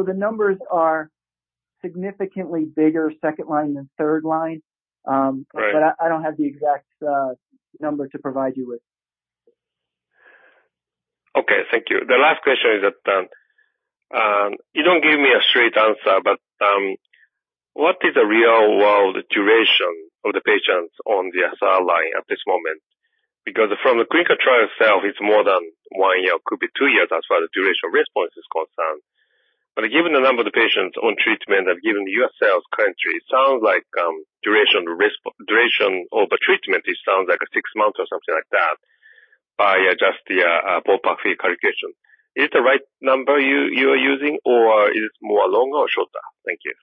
The numbers are significantly bigger second line than third line. Right. I don't have the exact number to provide you with. Okay. Thank you. The last question is that you don't give me a straight answer, but what is the real-world duration of the patients on the third-line at this moment? Because from the clinical trial itself, it's more than one year, could be two years as far as the duration of response is concerned. But given the number of the patients on treatment and given your sales currently, it sounds like duration of the treatment. It sounds like six months or something like that by just the pull per fee calculation. Is it the right number you are using or is it more longer or shorter? Thank you.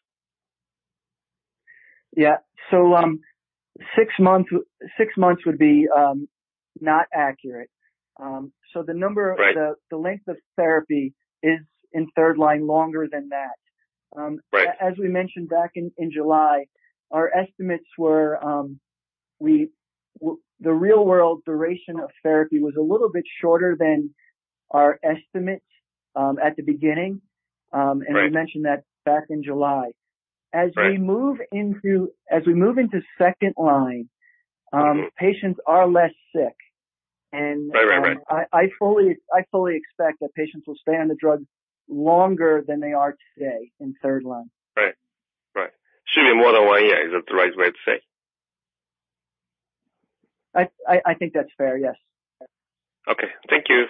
Six months would be not accurate. The number- Right. The length of therapy is in third-line longer than that. Right. As we mentioned back in July, our estimates were the real world duration of therapy was a little bit shorter than our estimates at the beginning, and we Right. Mentioned that back in July. Right. As we move into second line, patients are less sick, and Right. I fully expect that patients will stay on the drug longer than they are today in third line. Right. Should be more than one year, is that the right way to say? I think that's fair, yes. Okay. Thank you.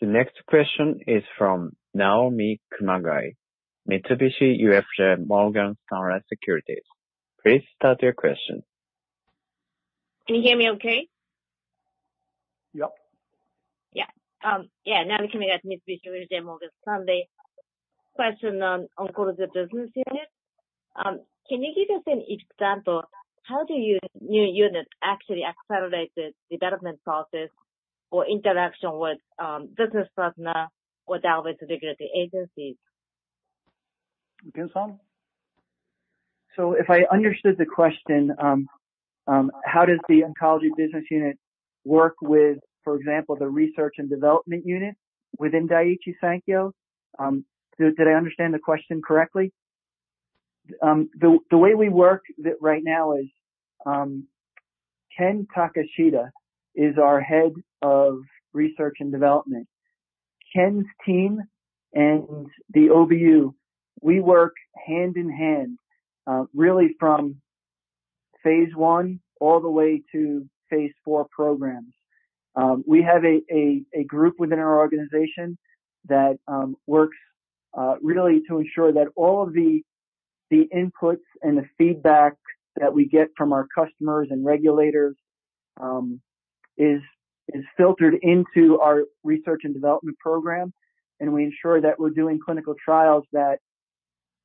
The next question is from Naomi Kumagai, Mitsubishi UFJ Morgan Stanley Securities. Please start your question. Can you hear me okay? Yep. Naomi Kumagai, Mitsubishi UFJ Morgan Stanley Securities. Question on the OBU. Can you give us an example, how does the new unit actually accelerate the development process or interaction with business partners or regulatory agencies? Go on. If I understood the question, how does the oncology business unit work with, for example, the research and development unit within Daiichi Sankyo? Did I understand the question correctly? The way we work right now is, Ken Takeshita is our head of research and development. Ken's team and the OBU, we work hand in hand, really from phase I all the way to phase IV programs. We have a group within our organization that works really to ensure that all of the inputs and the feedback that we get from our customers and regulators is filtered into our research and development program. We ensure that we're doing clinical trials that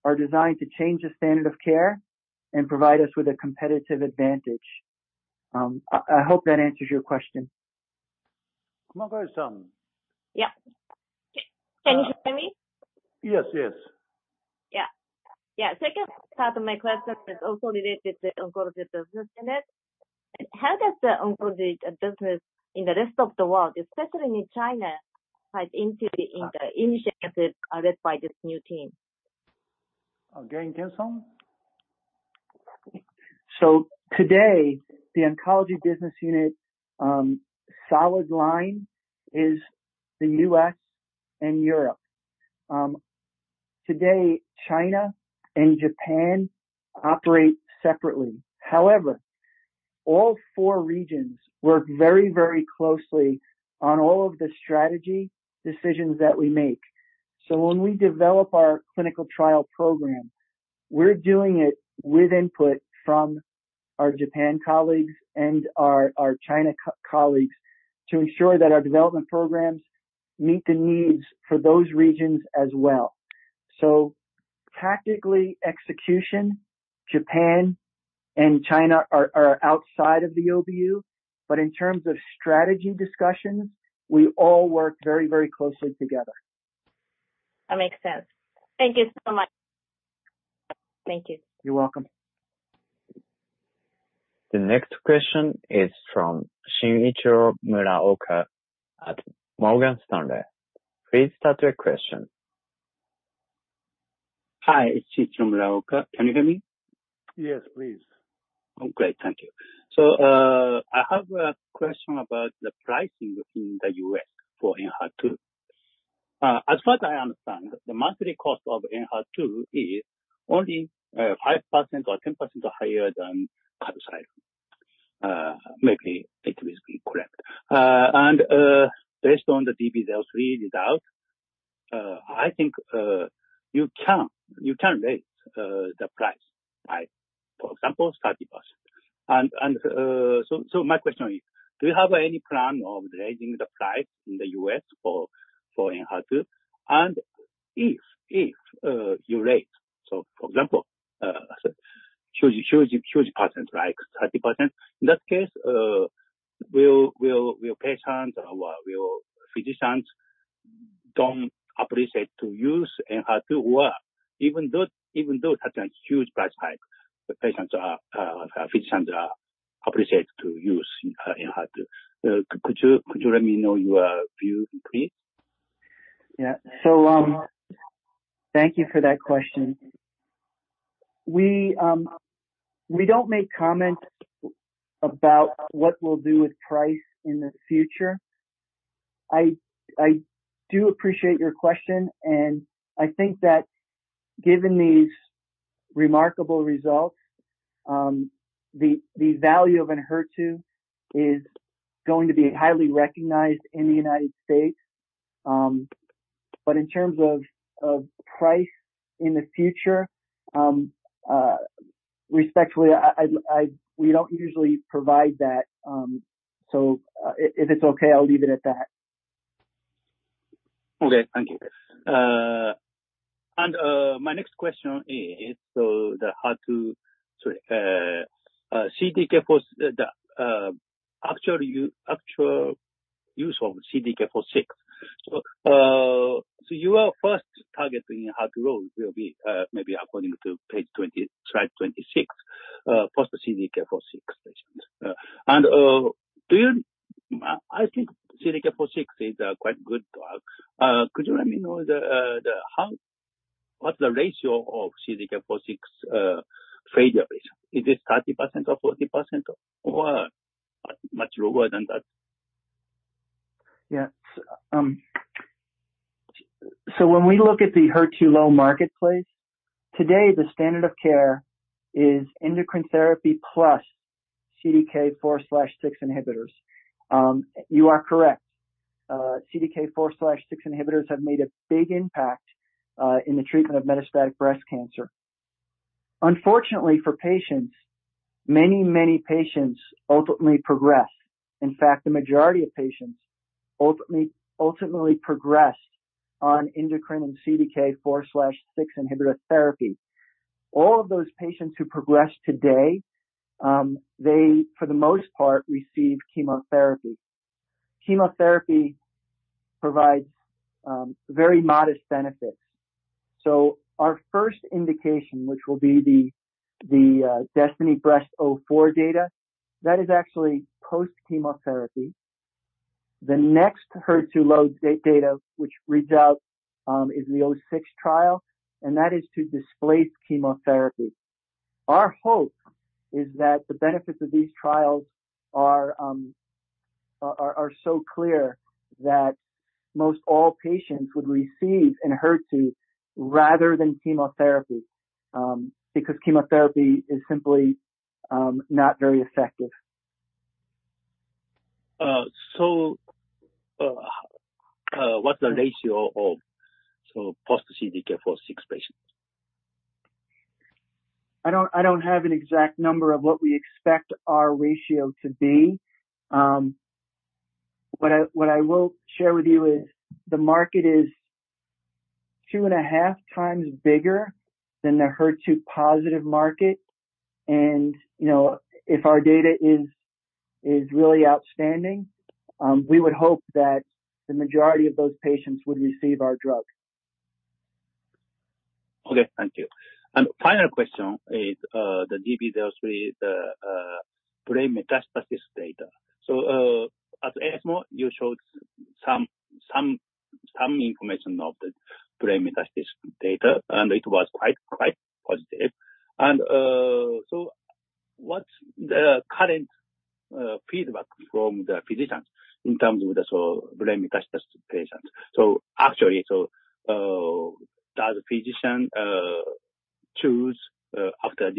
are designed to change the standard of care and provide us with a competitive advantage. I hope that answers your question. Kumagai-san. Yeah. Can you hear me? Yes. Yes. Yeah. Second part of my question is also related to Oncology Business Unit. How does the oncology business in the rest of the world, especially in China, tie into the initiatives led by this new team? Again, Ken-san. Today, the Oncology Business Unit, solid line is the U.S. and Europe. Today, China and Japan operate separately. However, all four regions work very, very closely on all of the strategy decisions that we make. When we develop our clinical trial program, we're doing it with input from our Japan colleagues and our China colleagues to ensure that our development programs meet the needs for those regions as well. Tactically, execution, Japan and China are outside of the OBU, but in terms of strategy discussions, we all work very, very closely together. That makes sense. Thank you so much. Thank you. You're welcome. The next question is from Shinichiro Muraoka at Morgan Stanley. Please start your question. Hi. Shinichiro Muraoka. Can you hear me? Yes, please. Oh, great. Thank you. I have a question about the pricing in the U.S. for Enhertu. As far as I understand, the monthly cost of Enhertu is only 5% or 10% higher than Kadcyla. Maybe it will be correct. Based on the DESTINY-Breast03 readout, I think you can raise the price by, for example, 30%. My question is, do you have any plan of raising the price in the U.S. for Enhertu? If you raise, for example, huge percent like 30%, in that case, will patients or will physicians don't appreciate to use Enhertu or even though such a huge price hike, the patients are, physicians are appreciate to use Enhertu. Could you let me know your view, please? Yeah. Thank you for that question. We don't make comments about what we'll do with price in the future. I do appreciate your question, and I think that given these remarkable results, the value of Enhertu is going to be highly recognized in the United States. In terms of price in the future, respectfully, we don't usually provide that. If it's okay, I'll leave it at that. Okay. Thank you. My next question is, the actual use of CDK4/6. You are first targeting how to grow will be, maybe according to page 20, slide 26, post CDK4/6 patients. Do you? I think CDK4/6 is a quite good drug. Could you let me know how, what's the ratio of CDK4/6 failures? Is it 30% or 40% or much lower than that? Yeah. When we look at the HER2-low marketplace, today the standard of care is endocrine therapy plus CDK4/6 inhibitors. You are correct. CDK4/6 inhibitors have made a big impact in the treatment of metastatic breast cancer. Unfortunately for patients, many patients ultimately progress. In fact, the majority of patients ultimately progress on endocrine and CDK4/6 inhibitor therapy. All of those patients who progress today, for the most part, receive chemotherapy. Chemotherapy provides very modest benefits. Our first indication, which will be the DESTINY-Breast04 data, is actually post-chemotherapy. The next HER2-low data which reads out is the DESTINY-Breast06 trial, and that is to displace chemotherapy. Our hope is that the benefits of these trials are so clear that most all patients would receive Enhertu rather than chemotherapy, because chemotherapy is simply not very effective. What's the ratio of post CDK4/6 patients? I don't have an exact number of what we expect our ratio to be. What I will share with you is the market is 2.5 times bigger than the HER2-positive market. You know, if our data is really outstanding, we would hope that the majority of those patients would receive our drug. Okay. Thank you. Final question is, the DB deals with the brain metastasis data. At ESMO, you showed some information of the brain metastasis data, and it was quite positive. What's the current feedback from the physicians in terms of the brain metastasis patients? Actually, does physician choose after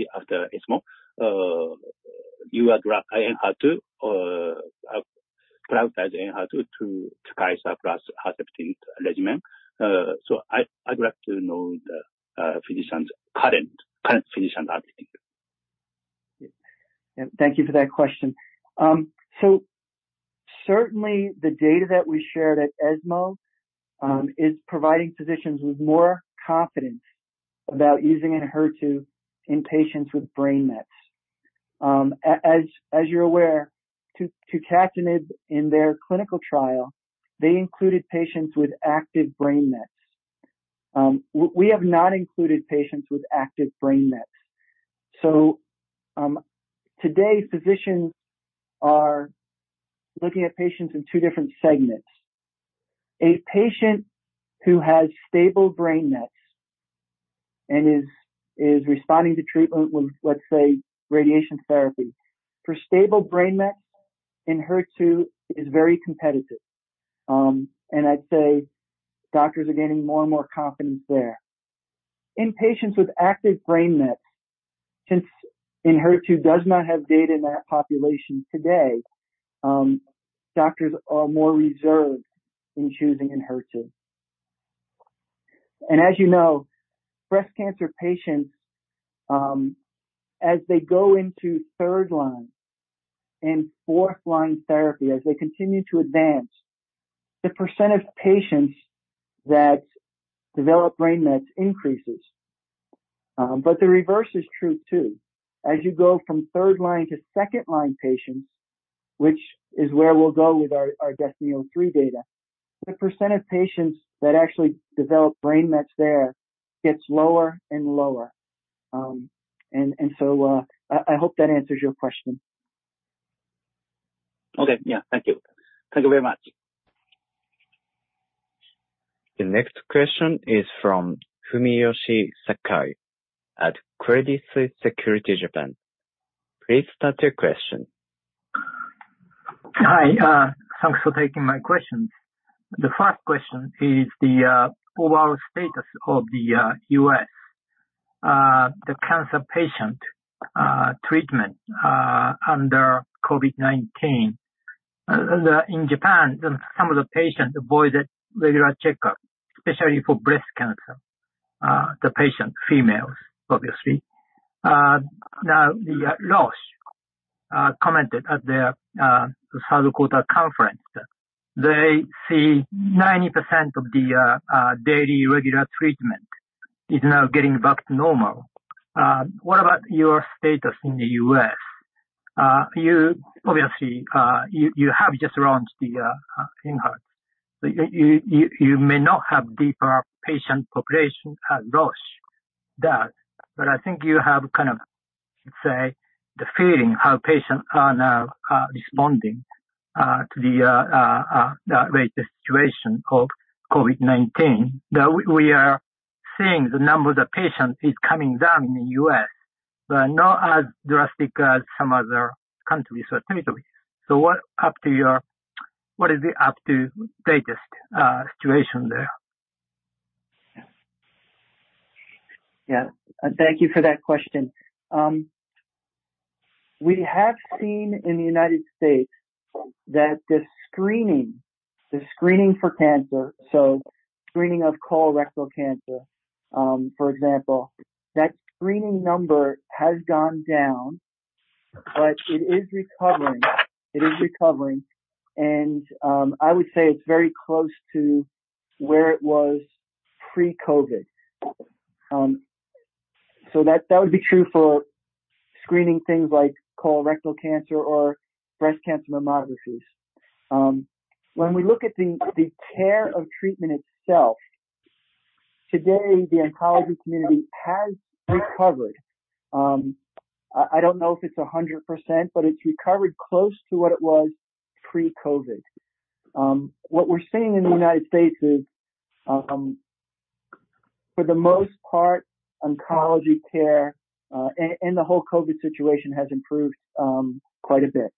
ESMO, your drug Enhertu or prioritize Enhertu to Tukysa plus Herceptin regimen? I'd like to know the physician's current physician update. Yeah. Thank you for that question. Certainly the data that we shared at ESMO is providing physicians with more confidence about using Enhertu in patients with brain mets. As you're aware, Tucatinib in their clinical trial, they included patients with active brain mets. We have not included patients with active brain mets. Today, physicians are looking at patients in two different segments. A patient who has stable brain mets and is responding to treatment with, let's say, radiation therapy. For stable brain mets, Enhertu is very competitive. I'd say doctors are gaining more and more confidence there. In patients with active brain mets, since Enhertu does not have data in that population today, doctors are more reserved in choosing Enhertu. As you know, breast cancer patients, as they go into third line and fourth line therapy, as they continue to advance, the percent of patients that develop brain mets increases. The reverse is true, too. As you go from third line to second line patients, which is where we'll go with our DESTINY-03 data, the percent of patients that actually develop brain mets there gets lower and lower. I hope that answers your question. Okay. Yeah. Thank you. Thank you very much. The next question is from Fumiyoshi Sakai at Credit Suisse Securities Japan. Please start your question. Hi. Thanks for taking my questions. The first question is the overall status of the U.S. cancer patient treatment under COVID-19. In Japan, some of the patients avoided regular checkup, especially for breast cancer, the female patients obviously. Now, Roche commented at their third quarter conference that they see 90% of the daily regular treatment is now getting back to normal. What about your status in the U.S.? You obviously have just launched the Enhertu. So you may not have deeper patient population as Roche does, but I think you have kind of, let's say, the feeling how patients are now responding to the latest situation of COVID-19. Now we are seeing the number of patients is coming down in the U.S., but not as drastic as some other countries or territory. What is the latest situation there? Yeah. Thank you for that question. We have seen in the United States that the screening for cancer, so screening of colorectal cancer, for example, that screening number has gone down, but it is recovering. I would say it's very close to where it was pre-COVID. So that would be true for screening things like colorectal cancer or breast cancer mammographies. When we look at the care of treatment itself, today the oncology community has recovered. I don't know if it's 100%, but it's recovered close to what it was pre-COVID. What we're seeing in the United States is, for the most part, oncology care, and the whole COVID situation has improved quite a bit.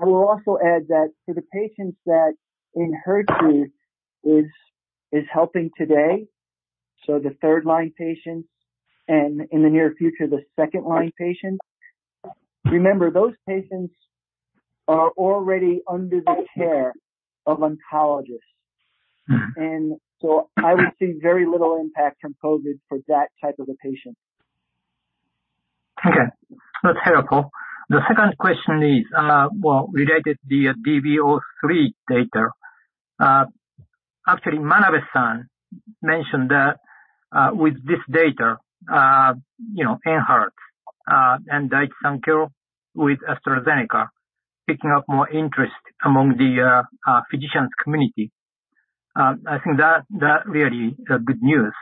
I will also add that for the patients that Enhertu is helping today, so the third-line patients and in the near future, the second-line patients, remember, those patients are already under the care of oncologists. Mm-hmm. I would see very little impact from COVID for that type of a patient. Okay. That's helpful. The second question is, well, related to the DB03 data. Actually Manabe-san mentioned that, with this data, you know, Enhertu and Daiichi Sankyo with AstraZeneca picking up more interest among the physician community. I think that really is good news.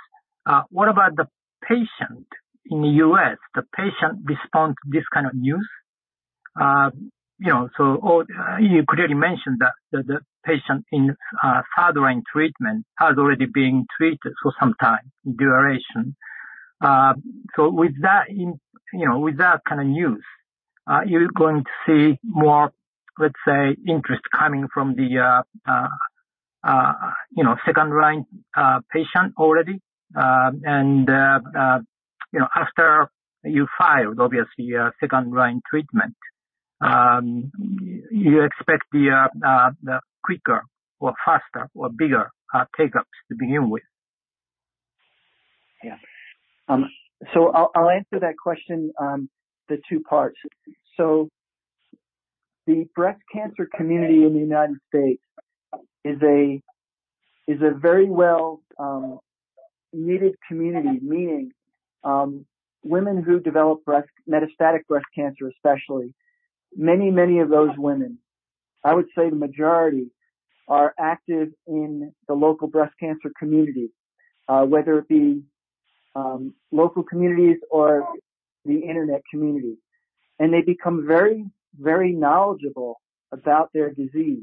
What about the patient in the U.S., the patient respond to this kind of news? You know, you clearly mentioned that the patient in third-line treatment has already been treated for some time in duration. With that in, you know, with that kind of news, you're going to see more, let's say, interest coming from the second-line patient already? You know, after you filed obviously second-line treatment, you expect the quicker or faster or bigger take-ups to begin with? Yeah. I'll answer that question, the two parts. The breast cancer community in the United States is a very well needed community. Meaning, women who develop metastatic breast cancer especially, many, many of those women, I would say the majority, are active in the local breast cancer community, whether it be local communities or the internet community. They become very, very knowledgeable about their disease.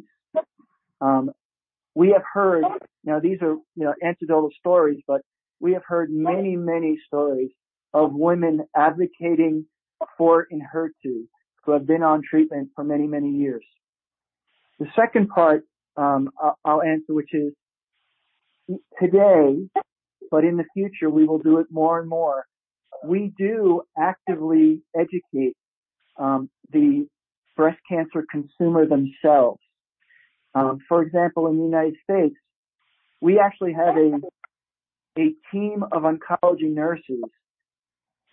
We have heard. Now, these are, you know, anecdotal stories, but we have heard many, many stories of women advocating for Enhertu who have been on treatment for many, many years. The second part, I'll answer, which is today, but in the future we will do it more and more. We do actively educate the breast cancer consumer themselves. For example, in the United States, we actually have a team of oncology nurses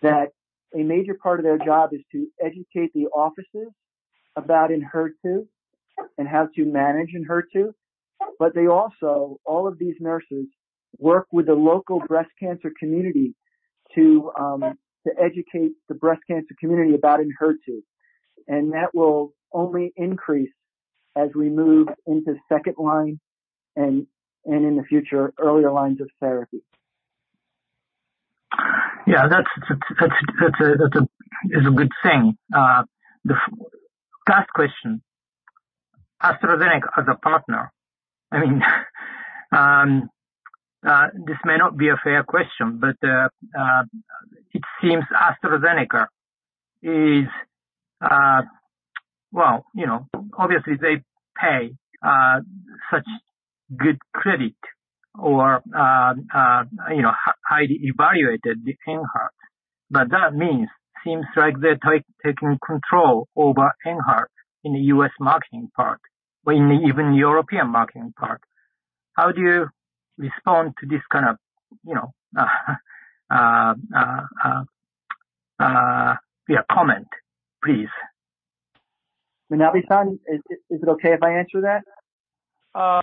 that a major part of their job is to educate the offices about Enhertu and how to manage Enhertu. They also, all of these nurses, work with the local breast cancer community to educate the breast cancer community about Enhertu. That will only increase as we move into second line and in the future, earlier lines of therapy. Yeah. That's a good thing. The last question. AstraZeneca as a partner, I mean, this may not be a fair question, but it seems AstraZeneca is, well, you know, obviously they have such good credit or, you know, highly valued the Enhertu. But that means seems like they're taking control over Enhertu in the U.S. marketing part, and even European marketing part. How do you respond to this kind of, you know, with your comment, please? Manabe-san, is it okay if I answer that?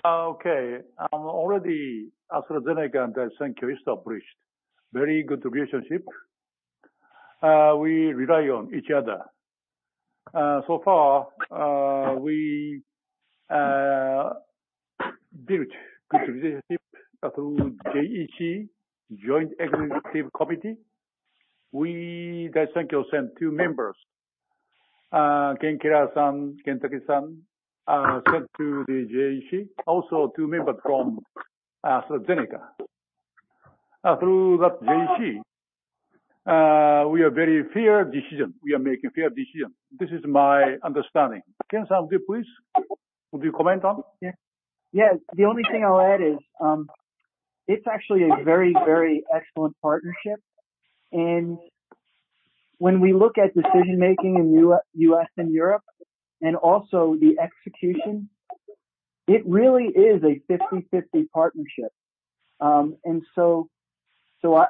Okay. We have already established a very good relationship with AstraZeneca and Daiichi Sankyo. We rely on each other. So far, we built a good relationship through JEC, Joint Executive Committee. Daiichi Sankyo sent two members, including Ken Keller-san, Ken Takeshita-san, sent to the JEC, also two members from AstraZeneca. Through that JEC, we make very fair decisions. This is my understanding. Ken Keller-san, would you please comment on? Yeah. Yes. The only thing I'll add is, it's actually a very, very excellent partnership. When we look at decision-making in U.S. and Europe, and also the execution, it really is a 50/50 partnership.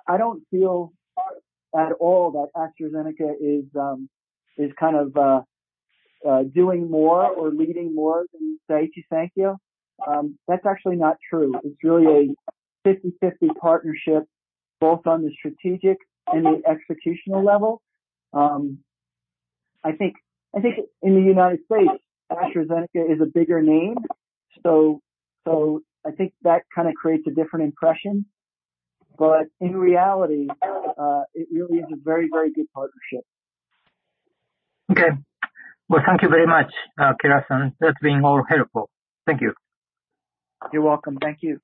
I don't feel at all that AstraZeneca is kind of doing more or leading more than Daiichi Sankyo. That's actually not true. It's really a 50/50 partnership both on the strategic and the executional level. I think in the United States, AstraZeneca is a bigger name, so I think that kind of creates a different impression. In reality, it really is a very, very good partnership. Okay. Well, thank you very much, Keller-san. That's been more helpful. Thank you. You're welcome. Thank you.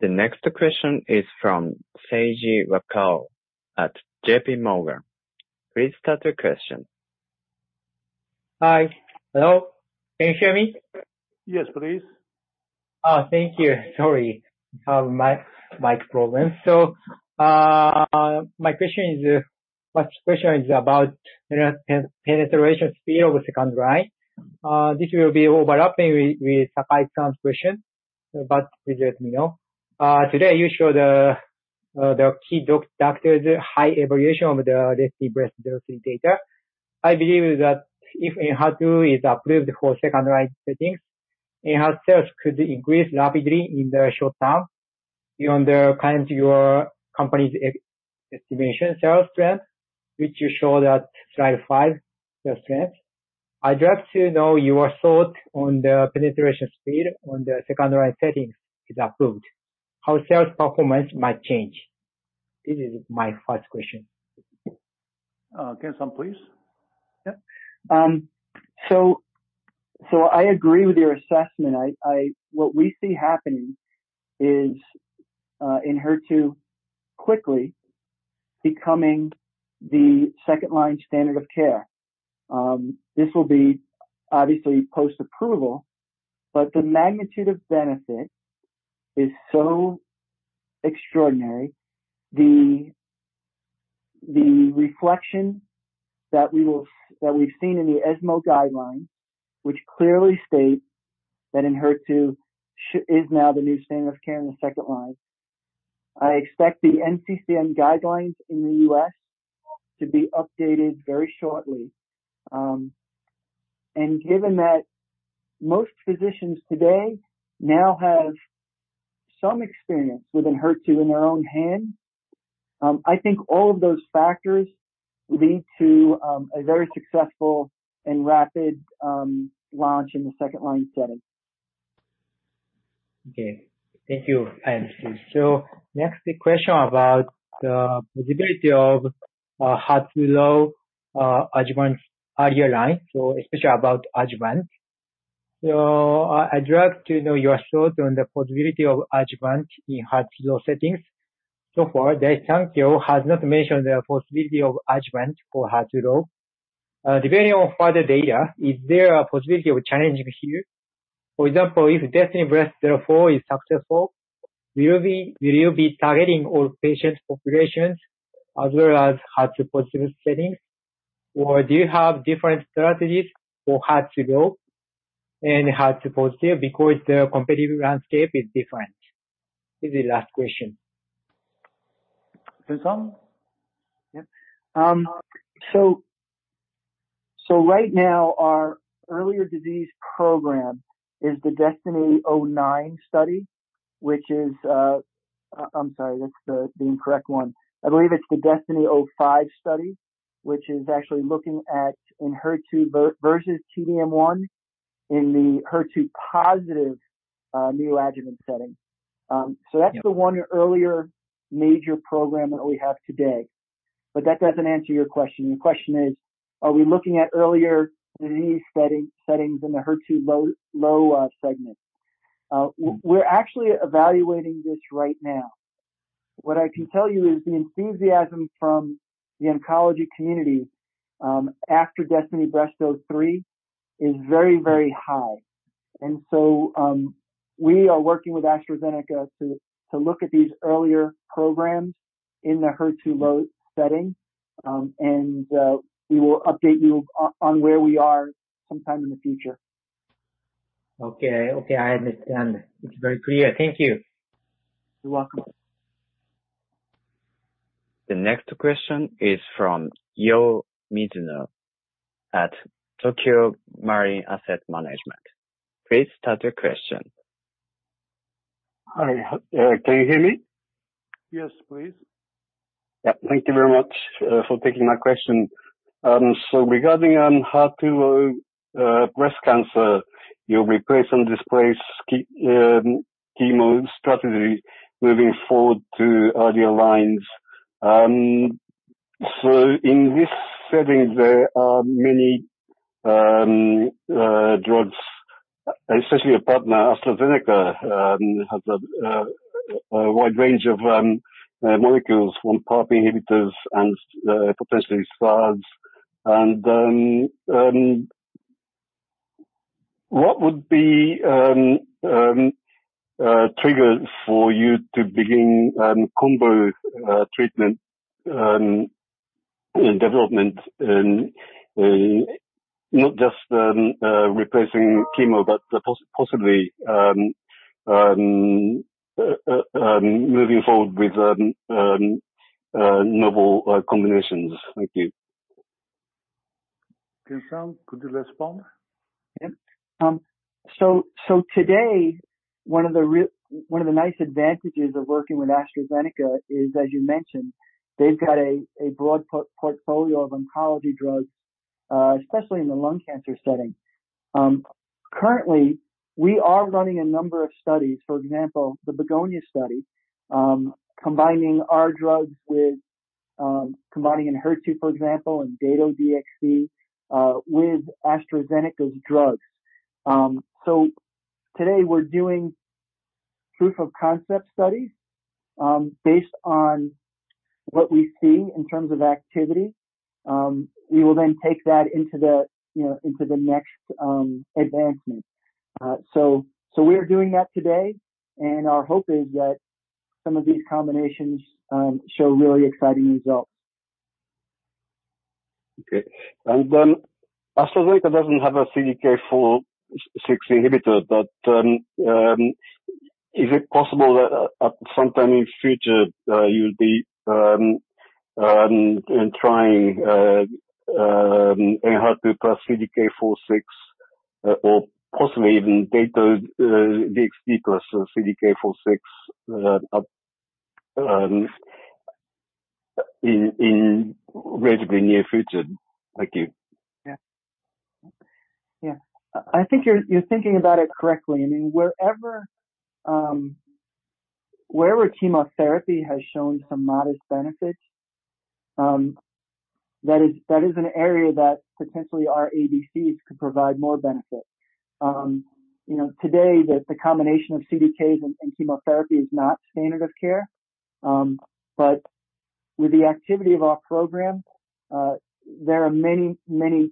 The next question is from Seiji Wakao at JPMorgan. Please start your question. Hi. Hello. Can you hear me? Yes, please. Oh, thank you. Sorry. My mic problem. My question is about, you know, penetration speed of second line. This will be overlapping with Sakai-san's question. Let me know. Today you show the key doctors high evaluation of the DESTINY-Breast data. I believe that if Enhertu is approved for second-line settings, Enhertu sales could increase rapidly in the short term beyond the current, your company's estimation sales trend, which you show that slide five, the trends. I'd like to know your thought on the penetration speed on the second-line setting is approved, how sales performance might change. This is my first question. Uh, inaudible, please. Yep. I agree with your assessment. What we see happening is Enhertu quickly becoming the second-line standard of care. This will be obviously post-approval, but the magnitude of benefit is so extraordinary. The reflection that we've seen in the ESMO guidelines, which clearly state that Enhertu is now the new standard of care in the second line. I expect the NCCN guidelines in the U.S. to be updated very shortly. Given that most physicians today now have some experience with Enhertu in their own hand, I think all of those factors lead to a very successful and rapid launch in the second-line setting. Okay. Thank you. I understand. Next question about the possibility of HER2-low adjuvant earlier line, especially about adjuvant. I'd like to know your thoughts on the possibility of adjuvant in HER2-low settings. So far, Daiichi Sankyo has not mentioned the possibility of adjuvant for HER2-low. Depending on further data, is there a possibility of a challenge here? For example, if DESTINY-Breast04 is successful, will you be targeting all patient populations as well as HER2-positive settings? Or do you have different strategies for HER2-low and HER2-positive because the competitive landscape is different? This is last question. inaudible. Yep. Right now our earlier disease program is the DESTINY-Breast09 study, which is. I'm sorry, that's the incorrect one. I believe it's the DESTINY-Breast05 study, which is actually looking at Enhertu vs T-DM1 in the HER2-positive, neoadjuvant setting. That's the one earlier major program that we have today. That doesn't answer your question. Your question is, are we looking at earlier in these settings in the HER2-low segment? We're actually evaluating this right now. What I can tell you is the enthusiasm from the oncology community after DESTINY-Breast03 is very high. We are working with AstraZeneca to look at these earlier programs in the HER2-low setting. We will update you on where we are sometime in the future. Okay. Okay, I understand. It's very clear. Thank you. You're welcome. The next question is from Yo Mizuno at Tokio Marine Asset Management. Please start your question. Hi, can you hear me? Yes, please. Yeah. Thank you very much for taking my question. Regarding HER2 breast cancer, you replace and displace chemo strategy moving forward to earlier lines. In this setting, there are many drugs, especially a partner, AstraZeneca has a wide range of molecules from PARP inhibitors and potentially ADCs. What would be trigger for you to begin combo treatment in development in not just replacing chemo, but possibly moving forward with novel combinations. Thank you. Could you respond? Yep. Today, one of the nice advantages of working with AstraZeneca is, as you mentioned, they've got a broad portfolio of oncology drugs, especially in the lung cancer setting. Currently, we are running a number of studies, for example, the BEGONIA study, combining Enhertu, for example, and Dato-DXd with AstraZeneca's drugs. Today we're doing proof of concept studies, based on what we see in terms of activity. We will then take that into the next advancement, you know. We're doing that today, and our hope is that some of these combinations show really exciting results. AstraZeneca doesn't have a CDK4/6 inhibitor, but is it possible that at some time in future you'll be trying Enhertu plus CDK4/6 or possibly even Dato-DXd plus CDK4/6 in relatively near future? Thank you. Yeah. I think you're thinking about it correctly. I mean, wherever chemotherapy has shown some modest benefits, that is an area that potentially our ADCs could provide more benefit. You know, today the combination of CDKs and chemotherapy is not standard of care. With the activity of our program, there are many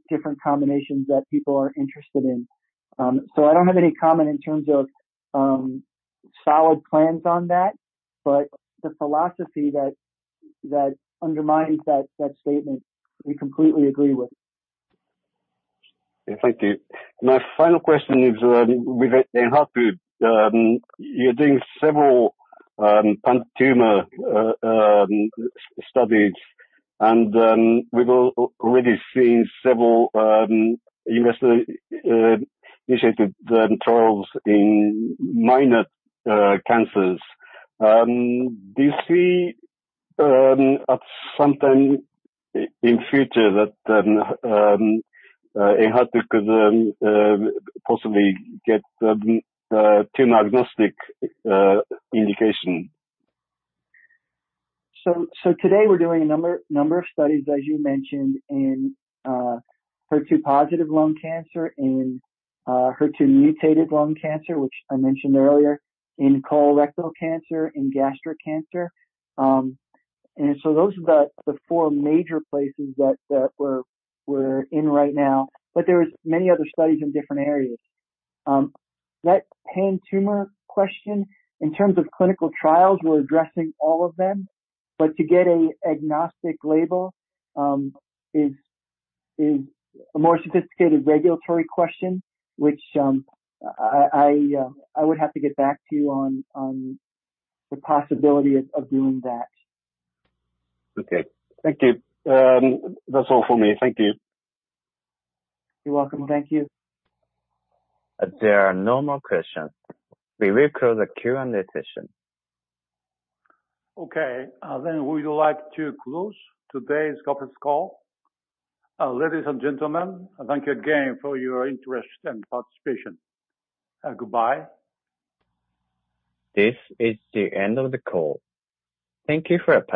different combinations that people are interested in. I don't have any comment in terms of solid plans on that, but the philosophy that undermines that statement, we completely agree with. Yeah. Thank you. My final question is, with Enhertu, you're doing several pan-tumor studies, and we've already seen several investigator-initiated trials in minor cancers. Do you see at some time in future that Enhertu could possibly get tumor-agnostic indication? Today we're doing a number of studies, as you mentioned, in HER2 positive lung cancer, in HER2 mutated lung cancer, which I mentioned earlier, in colorectal cancer, in gastric cancer. Those are the four major places that we're in right now, but there is many other studies in different areas. That pan-tumor question, in terms of clinical trials, we're addressing all of them, but to get a agnostic label is a more sophisticated regulatory question, which I would have to get back to you on, the possibility of doing that. Okay. Thank you. That's all for me. Thank you. You're welcome. Thank you. There are no more questions. We will close the Q&A session. Okay. Would you like to close today's conference call? Ladies and gentlemen, thank you again for your interest and participation. Goodbye. This is the end of the call. Thank you for participating.